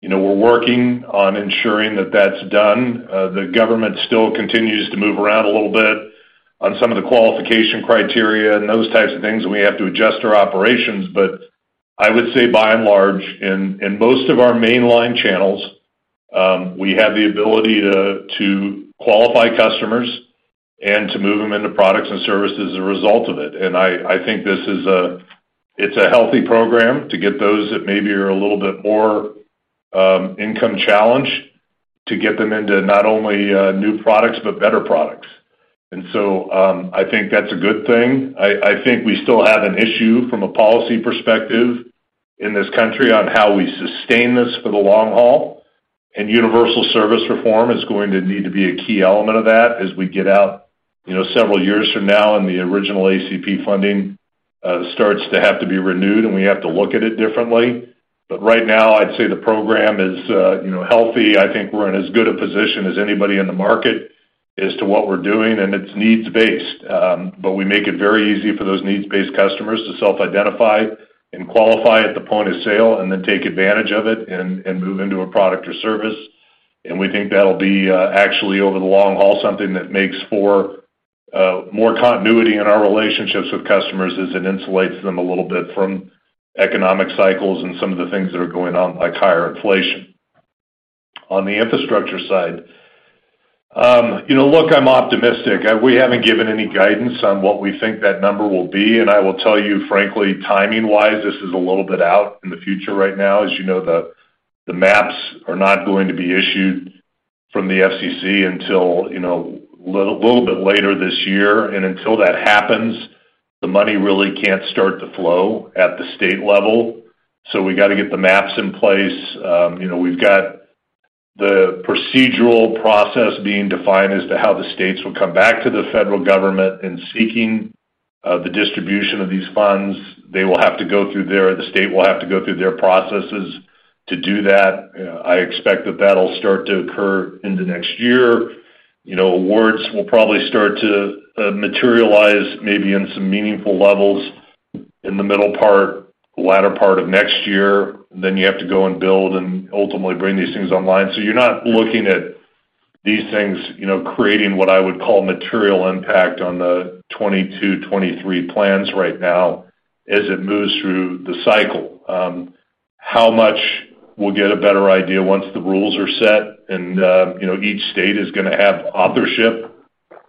You know, we're working on ensuring that that's done. The government still continues to move around a little bit on some of the qualification criteria and those types of things, and we have to adjust our operations. I would say by and large, in most of our mainline channels, we have the ability to qualify customers and to move them into products and services as a result of it. I think it's a healthy program to get those that maybe are a little bit more income-challenged, to get them into not only new products, but better products. I think that's a good thing. I think we still have an issue from a policy perspective in this country on how we sustain this for the long haul. Universal service reform is going to need to be a key element of that as we get out, you know, several years from now and the original ACP funding starts to have to be renewed, and we have to look at it differently. Right now, I'd say the program is, you know, healthy. I think we're in as good a position as anybody in the market as to what we're doing, and it's needs-based. We make it very easy for those needs-based customers to self-identify and qualify at the point of sale and then take advantage of it and move into a product or service. We think that'll be, actually, over the long haul, something that makes for, more continuity in our relationships with customers as it insulates them a little bit from economic cycles and some of the things that are going on, like higher inflation. On the infrastructure side, you know, look, I'm optimistic. We haven't given any guidance on what we think that number will be, and I will tell you, frankly, timing-wise, this is a little bit out in the future right now. As you know, the maps are not going to be issued from the FCC until, you know, a little bit later this year. Until that happens, the money really can't start to flow at the state level. We gotta get the maps in place. You know, we've got the procedural process being defined as to how the states will come back to the federal government in seeking the distribution of these funds. The state will have to go through their processes to do that. I expect that that'll start to occur into next year. You know, awards will probably start to materialize maybe in some meaningful levels in the middle part, the latter part of next year. You have to go and build and ultimately bring these things online. You're not looking at these things, you know, creating what I would call material impact on the 2022, 2023 plans right now as it moves through the cycle. How much we'll get a better idea once the rules are set and, you know, each state is gonna have authority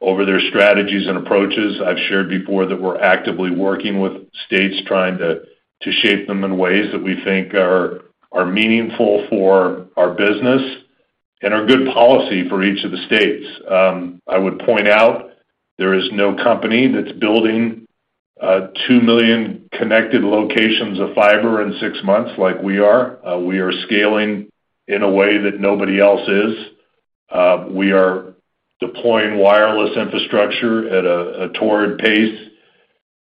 over their strategies and approaches. I've shared before that we're actively working with states trying to shape them in ways that we think are meaningful for our business and are good policy for each of the states. I would point out there is no company that's building 2 million connected locations of fiber in six months like we are. We are scaling in a way that nobody else is. We are deploying wireless infrastructure at a torrid pace.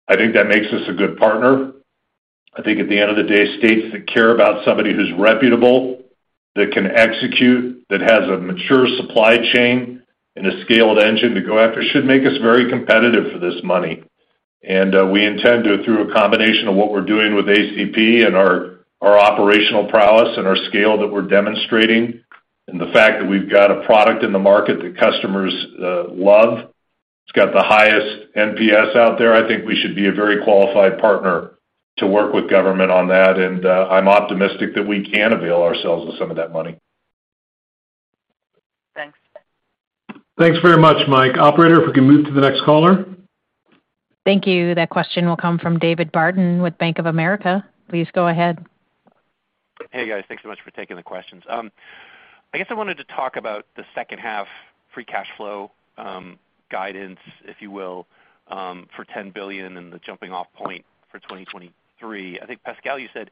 I think that makes us a good partner. I think at the end of the day, states that care about somebody who's reputable, that can execute, that has a mature supply chain and a scaled engine to go after should make us very competitive for this money. We intend to, through a combination of what we're doing with ACP and our operational prowess and our scale that we're demonstrating, and the fact that we've got a product in the market that customers love. It's got the highest NPS out there. I think we should be a very qualified partner to work with government on that, and I'm optimistic that we can avail ourselves of some of that money. Thanks. Thanks very much, Mike. Operator, if we can move to the next caller. Thank you. That question will come from David Barden with Bank of America. Please go ahead. Hey, guys. Thanks so much for taking the questions. I guess I wanted to talk about the second half free cash flow guidance, if you will, for $10 billion and the jumping off point for 2023. I think, Pascal, you said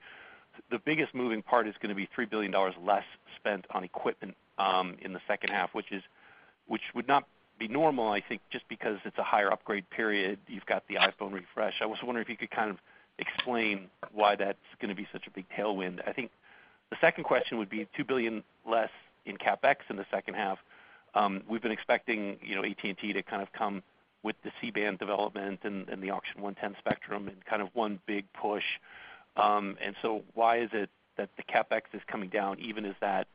the biggest moving part is gonna be $3 billion less spent on equipment in the second half, which would not be normal, I think, just because it's a higher upgrade period. You've got the iPhone refresh. I was wondering if you could kind of explain why that's gonna be such a big tailwind. I think the second question would be $2 billion less in CapEx in the second half. We've been expecting, you know, AT&T to kind of come with the C-band development and the Auction 110 spectrum in kind of one big push. Why is it that the CapEx is coming down even as that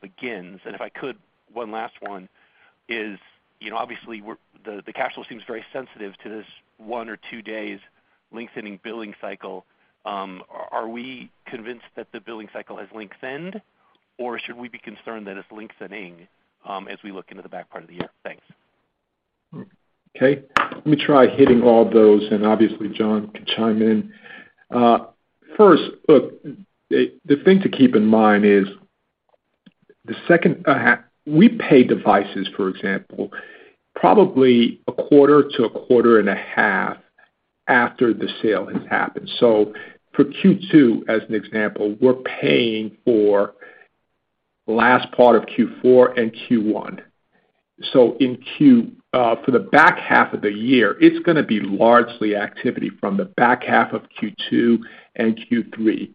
begins? If I could, one last one is, you know, obviously the cash flow seems very sensitive to this one or two days lengthening billing cycle. Are we convinced that the billing cycle has lengthened, or should we be concerned that it's lengthening as we look into the back part of the year? Thanks. Okay. Let me try hitting all those, and obviously John can chime in. First, look, the thing to keep in mind is the second half. We pay devices, for example, probably a quarter to a quarter and a half after the sale has happened. For Q2, as an example, we're paying for last part of Q4 and Q1. In the back half of the year, it's gonna be largely activity from the back half of Q2 and Q3.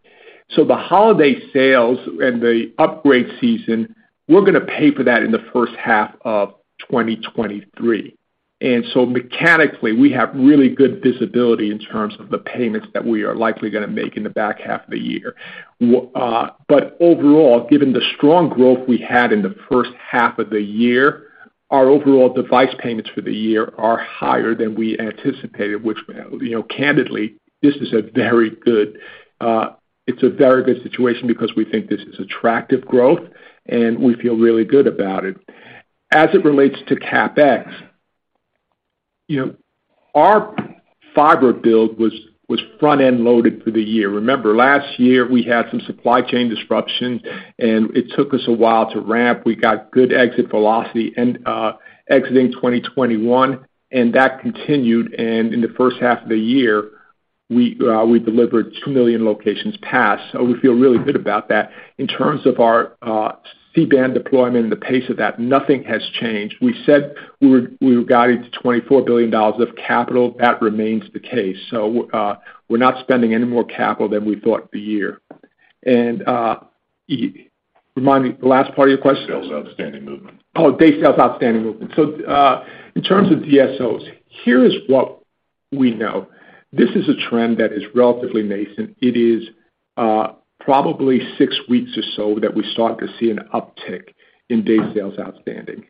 The holiday sales and the upgrade season, we're gonna pay for that in the first half of 2023. Mechanically, we have really good visibility in terms of the payments that we are likely gonna make in the back half of the year. Overall, given the strong growth we had in the first half of the year, our overall device payments for the year are higher than we anticipated, which, you know, candidly, this is a very good, it's a very good situation because we think this is attractive growth, and we feel really good about it. As it relates to CapEx, you know, our fiber build was front-end loaded for the year. Remember, last year, we had some supply chain disruption, and it took us a while to ramp. We got good exit velocity exiting 2021, and that continued. In the first half of the year. We delivered 2 million locations passed, so we feel really good about that. In terms of our C-band deployment and the pace of that, nothing has changed. We said we were guided to $24 billion of capital. That remains the case. We're not spending any more capital than we thought the year. Remind me the last part of your question. Sales outstanding movement. Days Sales Outstanding movement. In terms of DSO, here is what we know. This is a trend that is relatively nascent. It is probably six weeks or so that we start to see an uptick in Days Sales Outstanding.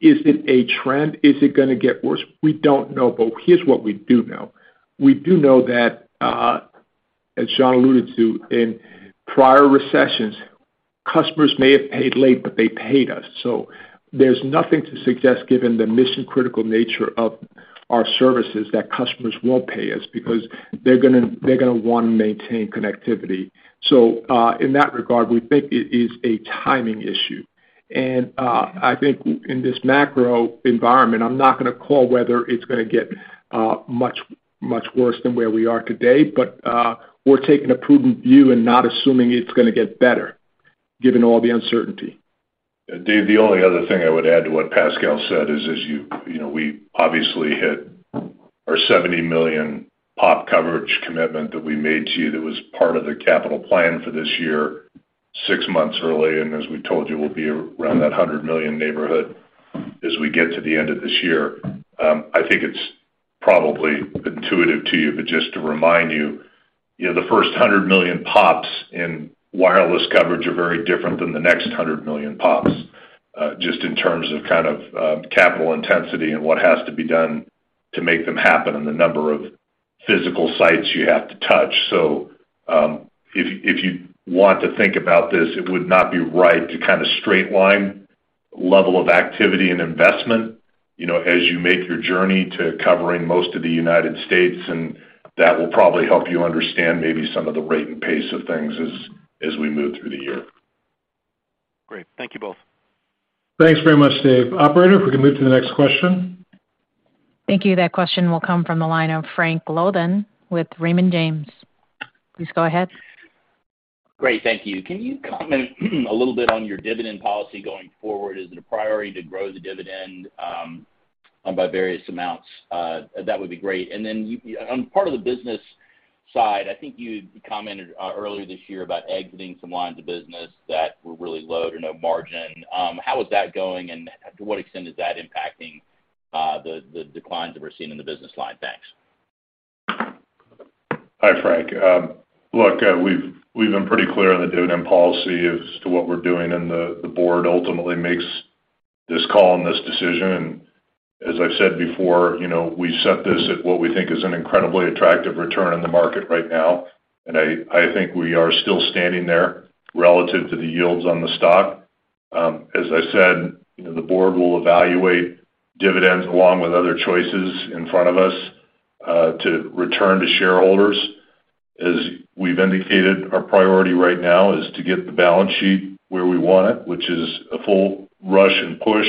Is it a trend? Is it gonna get worse? We don't know, but here's what we do know. We do know that, as John alluded to, in prior recessions, customers may have paid late, but they paid us. There's nothing to suggest, given the mission-critical nature of our services, that customers won't pay us because they're gonna wanna maintain connectivity. In that regard, we think it is a timing issue. I think in this macro environment, I'm not gonna call whether it's gonna get much worse than where we are today, but we're taking a prudent view and not assuming it's gonna get better given all the uncertainty. David, the only other thing I would add to what Pascal said is, as you know, we obviously hit our 70 million POP coverage commitment that we made to you that was part of the capital plan for this year, six months early. As we told you, we'll be around that 100 million neighborhood as we get to the end of this year. I think it's probably intuitive to you, but just to remind you know, the first 100 million POPs in wireless coverage are very different than the next 100 million POPs, just in terms of kind of, capital intensity and what has to be done to make them happen and the number of physical sites you have to touch. If you want to think about this, it would not be right to kind of straight line level of activity and investment, you know, as you make your journey to covering most of the United States, and that will probably help you understand maybe some of the rate and pace of things as we move through the year. Great. Thank you both. Thanks very much, David. Operator, if we can move to the next question. Thank you. That question will come from the line of Frank Louthan with Raymond James. Please go ahead. Great. Thank you. Can you comment a little bit on your dividend policy going forward? Is it a priority to grow the dividend by various amounts? That would be great. Then on the business side, I think you commented earlier this year about exiting some lines of business that were really low to no margin. How is that going, and to what extent is that impacting the declines that we're seeing in the business line? Thanks. Hi, Frank. Look, we've been pretty clear on the dividend policy as to what we're doing, and the board ultimately makes this call and this decision. As I've said before, you know, we set this at what we think is an incredibly attractive return in the market right now, and I think we are still standing there relative to the yields on the stock. As I said, you know, the board will evaluate dividends along with other choices in front of us to return to shareholders. As we've indicated, our priority right now is to get the balance sheet where we want it, which is a full rush and push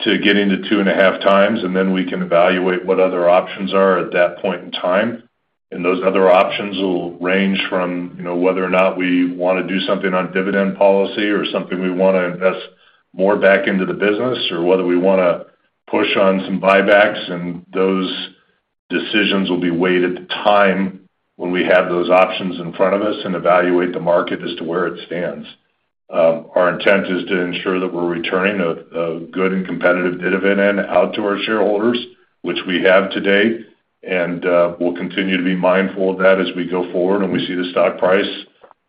to get into 2.5x, and then we can evaluate what other options are at that point in time. Those other options will range from, you know, whether or not we wanna do something on dividend policy or something we wanna invest more back into the business or whether we wanna push on some buybacks. Those decisions will be weighed at the time when we have those options in front of us and evaluate the market as to where it stands. Our intent is to ensure that we're returning a good and competitive dividend out to our shareholders, which we have today, and we'll continue to be mindful of that as we go forward and we see the stock price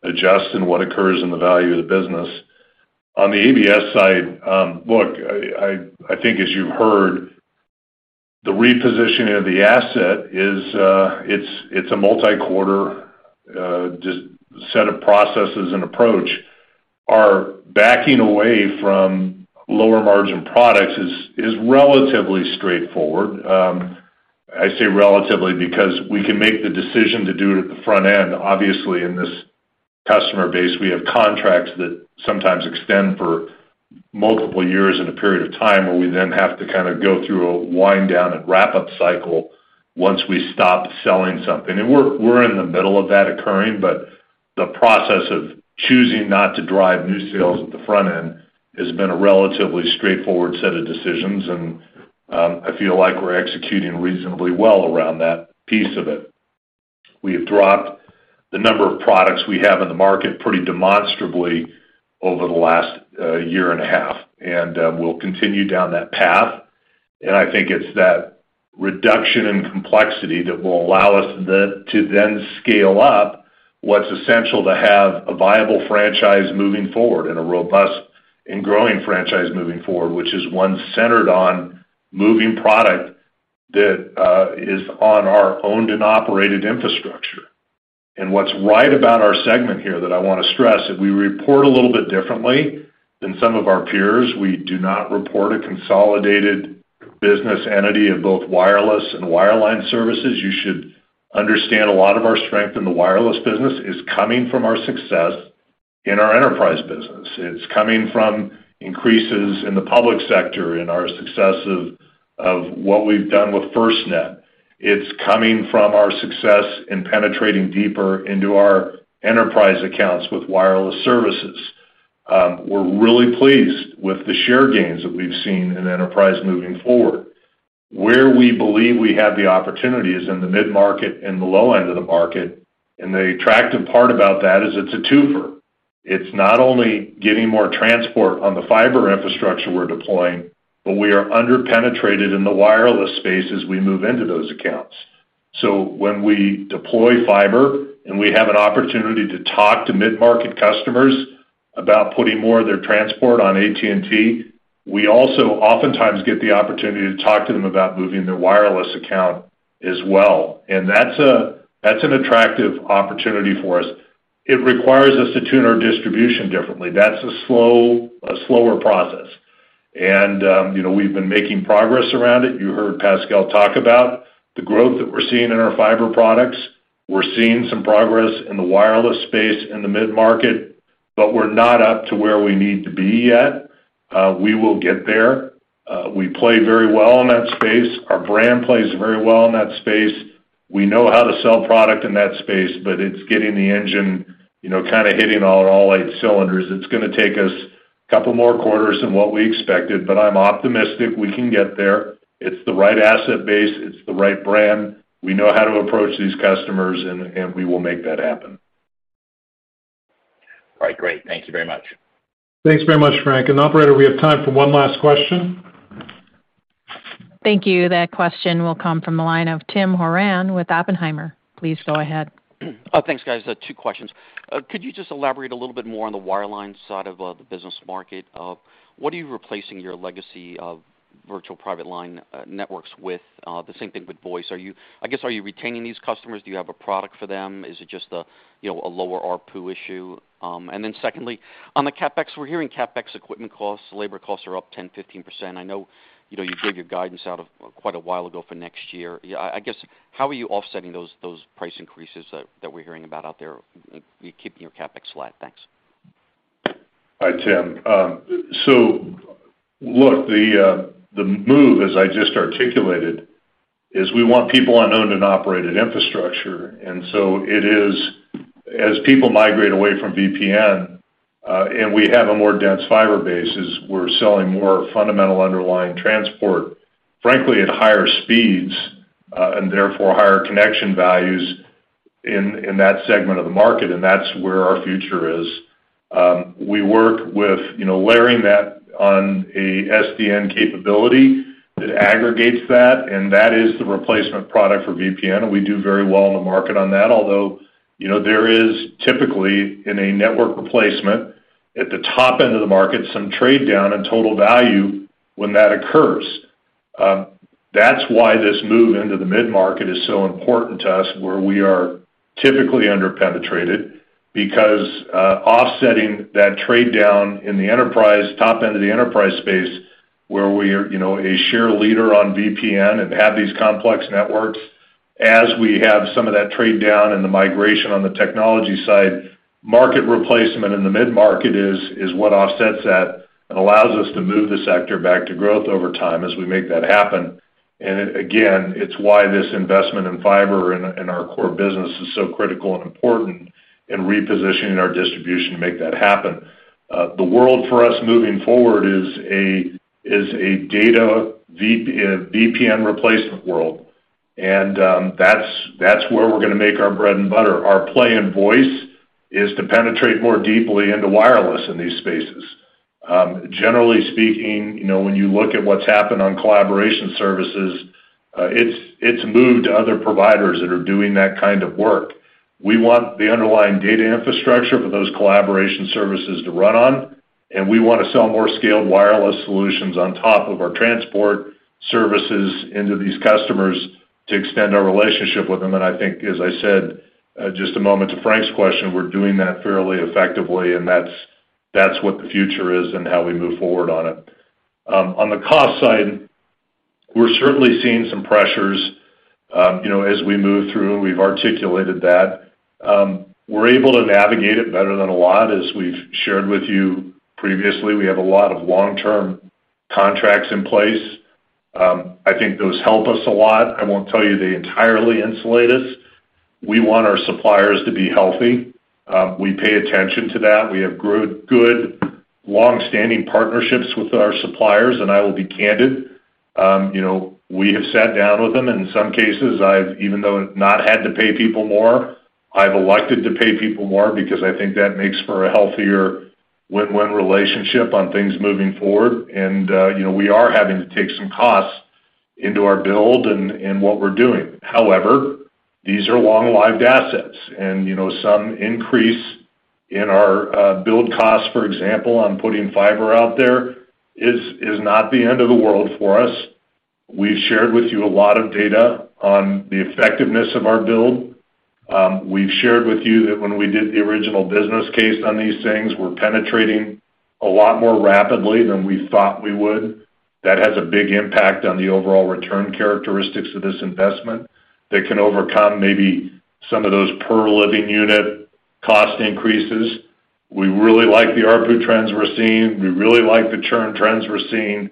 adjust and what occurs in the value of the business. On the ABS side, look, I think as you've heard, the repositioning of the asset is, it's a multi-quarter just set of processes and approach. Our backing away from lower margin products is relatively straightforward. I say relatively because we can make the decision to do it at the front end. Obviously, in this customer base, we have contracts that sometimes extend for multiple years in a period of time where we then have to kind of go through a wind down and wrap up cycle once we stop selling something. We're in the middle of that occurring, but the process of choosing not to drive new sales at the front end has been a relatively straightforward set of decisions, and I feel like we're executing reasonably well around that piece of it. We have dropped the number of products we have in the market pretty demonstrably over the last year and a half, and we'll continue down that path. I think it's that reduction in complexity that will allow us to then scale up what's essential to have a viable franchise moving forward and a robust and growing franchise moving forward, which is one centered on moving product that is on our owned and operated infrastructure. What's right about our segment here that I wanna stress is we report a little bit differently than some of our peers. We do not report a consolidated business entity of both wireless and wireline services. You should understand a lot of our strength in the wireless business is coming from our success in our enterprise business. It's coming from increases in the public sector in our success of what we've done with FirstNet. It's coming from our success in penetrating deeper into our enterprise accounts with wireless services. We're really pleased with the share gains that we've seen in enterprise moving forward. Where we believe we have the opportunity is in the mid-market and the low end of the market, and the attractive part about that is it's a twofer. It's not only getting more transport on the fiber infrastructure we're deploying, but we are under-penetrated in the wireless space as we move into those accounts. When we deploy fiber and we have an opportunity to talk to mid-market customers about putting more of their transport on AT&T, we also oftentimes get the opportunity to talk to them about moving their wireless account as well. That's an attractive opportunity for us. It requires us to tune our distribution differently. That's a slower process. You know, we've been making progress around it. You heard Pascal talk about the growth that we're seeing in our fiber products. We're seeing some progress in the wireless space in the mid-market, but we're not up to where we need to be yet. We will get there. We play very well in that space. Our brand plays very well in that space. We know how to sell product in that space, but it's getting the engine, you know, kind of hitting on all eight cylinders. It's gonna take us a couple more quarters than what we expected, but I'm optimistic we can get there. It's the right asset base. It's the right brand. We know how to approach these customers and we will make that happen. All right, great. Thank you very much. Thanks very much, Frank. Operator, we have time for one last question. Thank you. That question will come from the line of Timothy Horan with Oppenheimer. Please go ahead. Thanks, guys. Two questions. Could you just elaborate a little bit more on the wireline side of the business market? What are you replacing your legacy of virtual private line networks with, the same thing with voice? Are you, I guess, retaining these customers? Do you have a product for them? Is it just, you know, a lower ARPU issue? Secondly, on the CapEx, we're hearing CapEx equipment costs, labor costs are up 10%-15%. I know, you know, you gave your guidance out of quite a while ago for next year. I guess, how are you offsetting those price increases that we're hearing about out there, keeping your CapEx flat? Thanks. Hi, Tim. The move, as I just articulated, is we want people on owned and operated infrastructure. It is, as people migrate away from VPN and we have a more dense fiber base, we're selling more fundamental underlying transport, frankly, at higher speeds and therefore, higher connection values in that segment of the market, and that's where our future is. We work with, you know, layering that on a SDN capability that aggregates that, and that is the replacement product for VPN, and we do very well in the market on that. Although, you know, there is typically in a network replacement at the top end of the market, some trade-down in total value when that occurs. That's why this move into the mid-market is so important to us, where we are typically under-penetrated because offsetting that trade-down in the enterprise, top end of the enterprise space, where we are, you know, a share leader on VPN and have these complex networks, as we have some of that trade-down and the migration on the technology side, market replacement in the mid-market is what offsets that and allows us to move the sector back to growth over time as we make that happen. Again, it's why this investment in fiber and our core business is so critical and important in repositioning our distribution to make that happen. The world for us moving forward is a data VPN replacement world, and that's where we're gonna make our bread and butter. Our play in voice is to penetrate more deeply into wireless in these spaces. Generally speaking, you know, when you look at what's happened on collaboration services, it's moved to other providers that are doing that kind of work. We want the underlying data infrastructure for those collaboration services to run on, and we want to sell more scaled wireless solutions on top of our transport services into these customers to extend our relationship with them. I think, as I said, just a moment to Frank's question, we're doing that fairly effectively and that's what the future is and how we move forward on it. On the cost side, we're certainly seeing some pressures, you know, as we move through, and we've articulated that. We're able to navigate it better than a lot. As we've shared with you previously, we have a lot of long-term contracts in place. I think those help us a lot. I won't tell you they entirely insulate us. We want our suppliers to be healthy. We pay attention to that. We have good longstanding partnerships with our suppliers, and I will be candid. You know, we have sat down with them. In some cases, even though I have not had to pay people more, I've elected to pay people more because I think that makes for a healthier win-win relationship on things moving forward. You know, we are having to take some costs into our build and what we're doing. However, these are long-lived assets and, you know, some increase in our build cost, for example, on putting fiber out there is not the end of the world for us. We've shared with you a lot of data on the effectiveness of our build. We've shared with you that when we did the original business case on these things, we're penetrating a lot more rapidly than we thought we would. That has a big impact on the overall return characteristics of this investment that can overcome maybe some of those per living unit cost increases. We really like the ARPU trends we're seeing. We really like the churn trends we're seeing.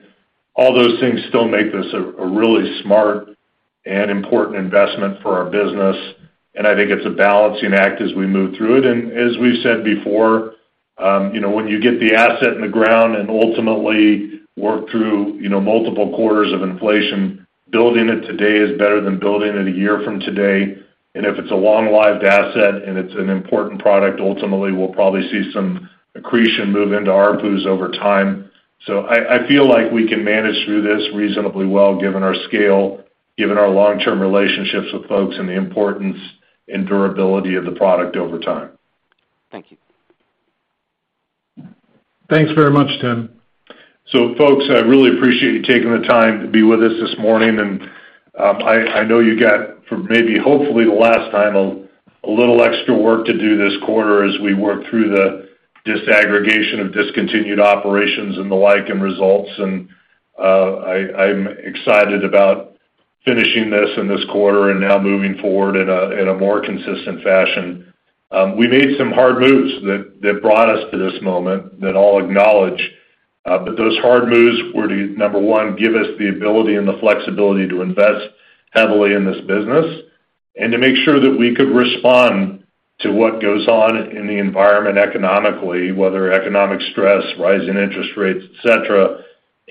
All those things still make this a really smart and important investment for our business, and I think it's a balancing act as we move through it. As we've said before, you know, when you get the asset in the ground and ultimately work through, you know, multiple quarters of inflation, building it today is better than building it a year from today. If it's a long-lived asset and it's an important product, ultimately, we'll probably see some accretion move into ARPUs over time. I feel like we can manage through this reasonably well, given our scale, given our long-term relationships with folks and the importance and durability of the product over time. Thank you. Thanks very much, Tim. Folks, I really appreciate you taking the time to be with us this morning, and I know you've got for maybe hopefully the last time a little extra work to do this quarter as we work through the disaggregation of discontinued operations and the like and results. I'm excited about finishing this in this quarter and now moving forward in a more consistent fashion. We made some hard moves that brought us to this moment that I'll acknowledge. Those hard moves were to, number one, give us the ability and the flexibility to invest heavily in this business and to make sure that we could respond to what goes on in the environment economically, whether economic stress, rising interest rates, et cetera.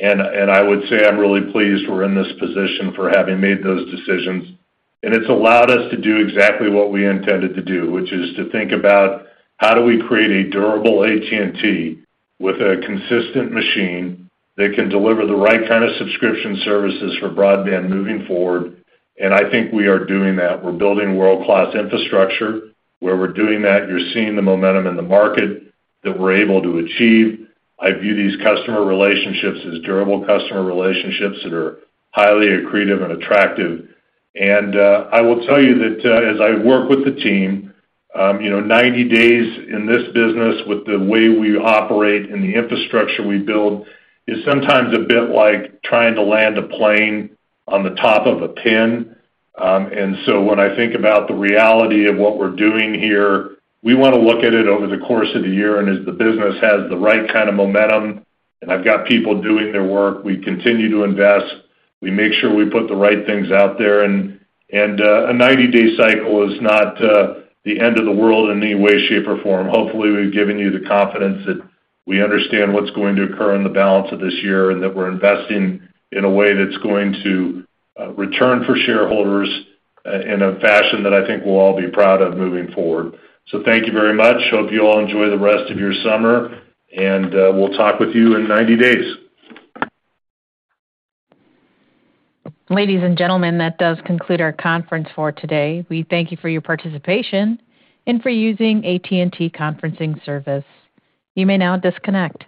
I would say I'm really pleased we're in this position for having made those decisions. It's allowed us to do exactly what we intended to do, which is to think about how do we create a durable AT&T with a consistent machine that can deliver the right kind of subscription services for broadband moving forward. I think we are doing that. We're building world-class infrastructure. Where we're doing that, you're seeing the momentum in the market that we're able to achieve. I view these customer relationships as durable customer relationships that are highly accretive and attractive. I will tell you that, as I work with the team, you know, 90 days in this business with the way we operate and the infrastructure we build is sometimes a bit like trying to land a plane on the top of a pin. When I think about the reality of what we're doing here, we wanna look at it over the course of the year and as the business has the right kind of momentum, and I've got people doing their work, we continue to invest. We make sure we put the right things out there and a 90-day cycle is not the end of the world in any way, shape, or form. Hopefully, we've given you the confidence that we understand what's going to occur in the balance of this year and that we're investing in a way that's going to return for shareholders in a fashion that I think we'll all be proud of moving forward. Thank you very much. Hope you all enjoy the rest of your summer, and we'll talk with you in 90 days. Ladies and gentlemen, that does conclude our conference for today. We thank you for your participation and for using AT&T Conferencing service. You may now disconnect.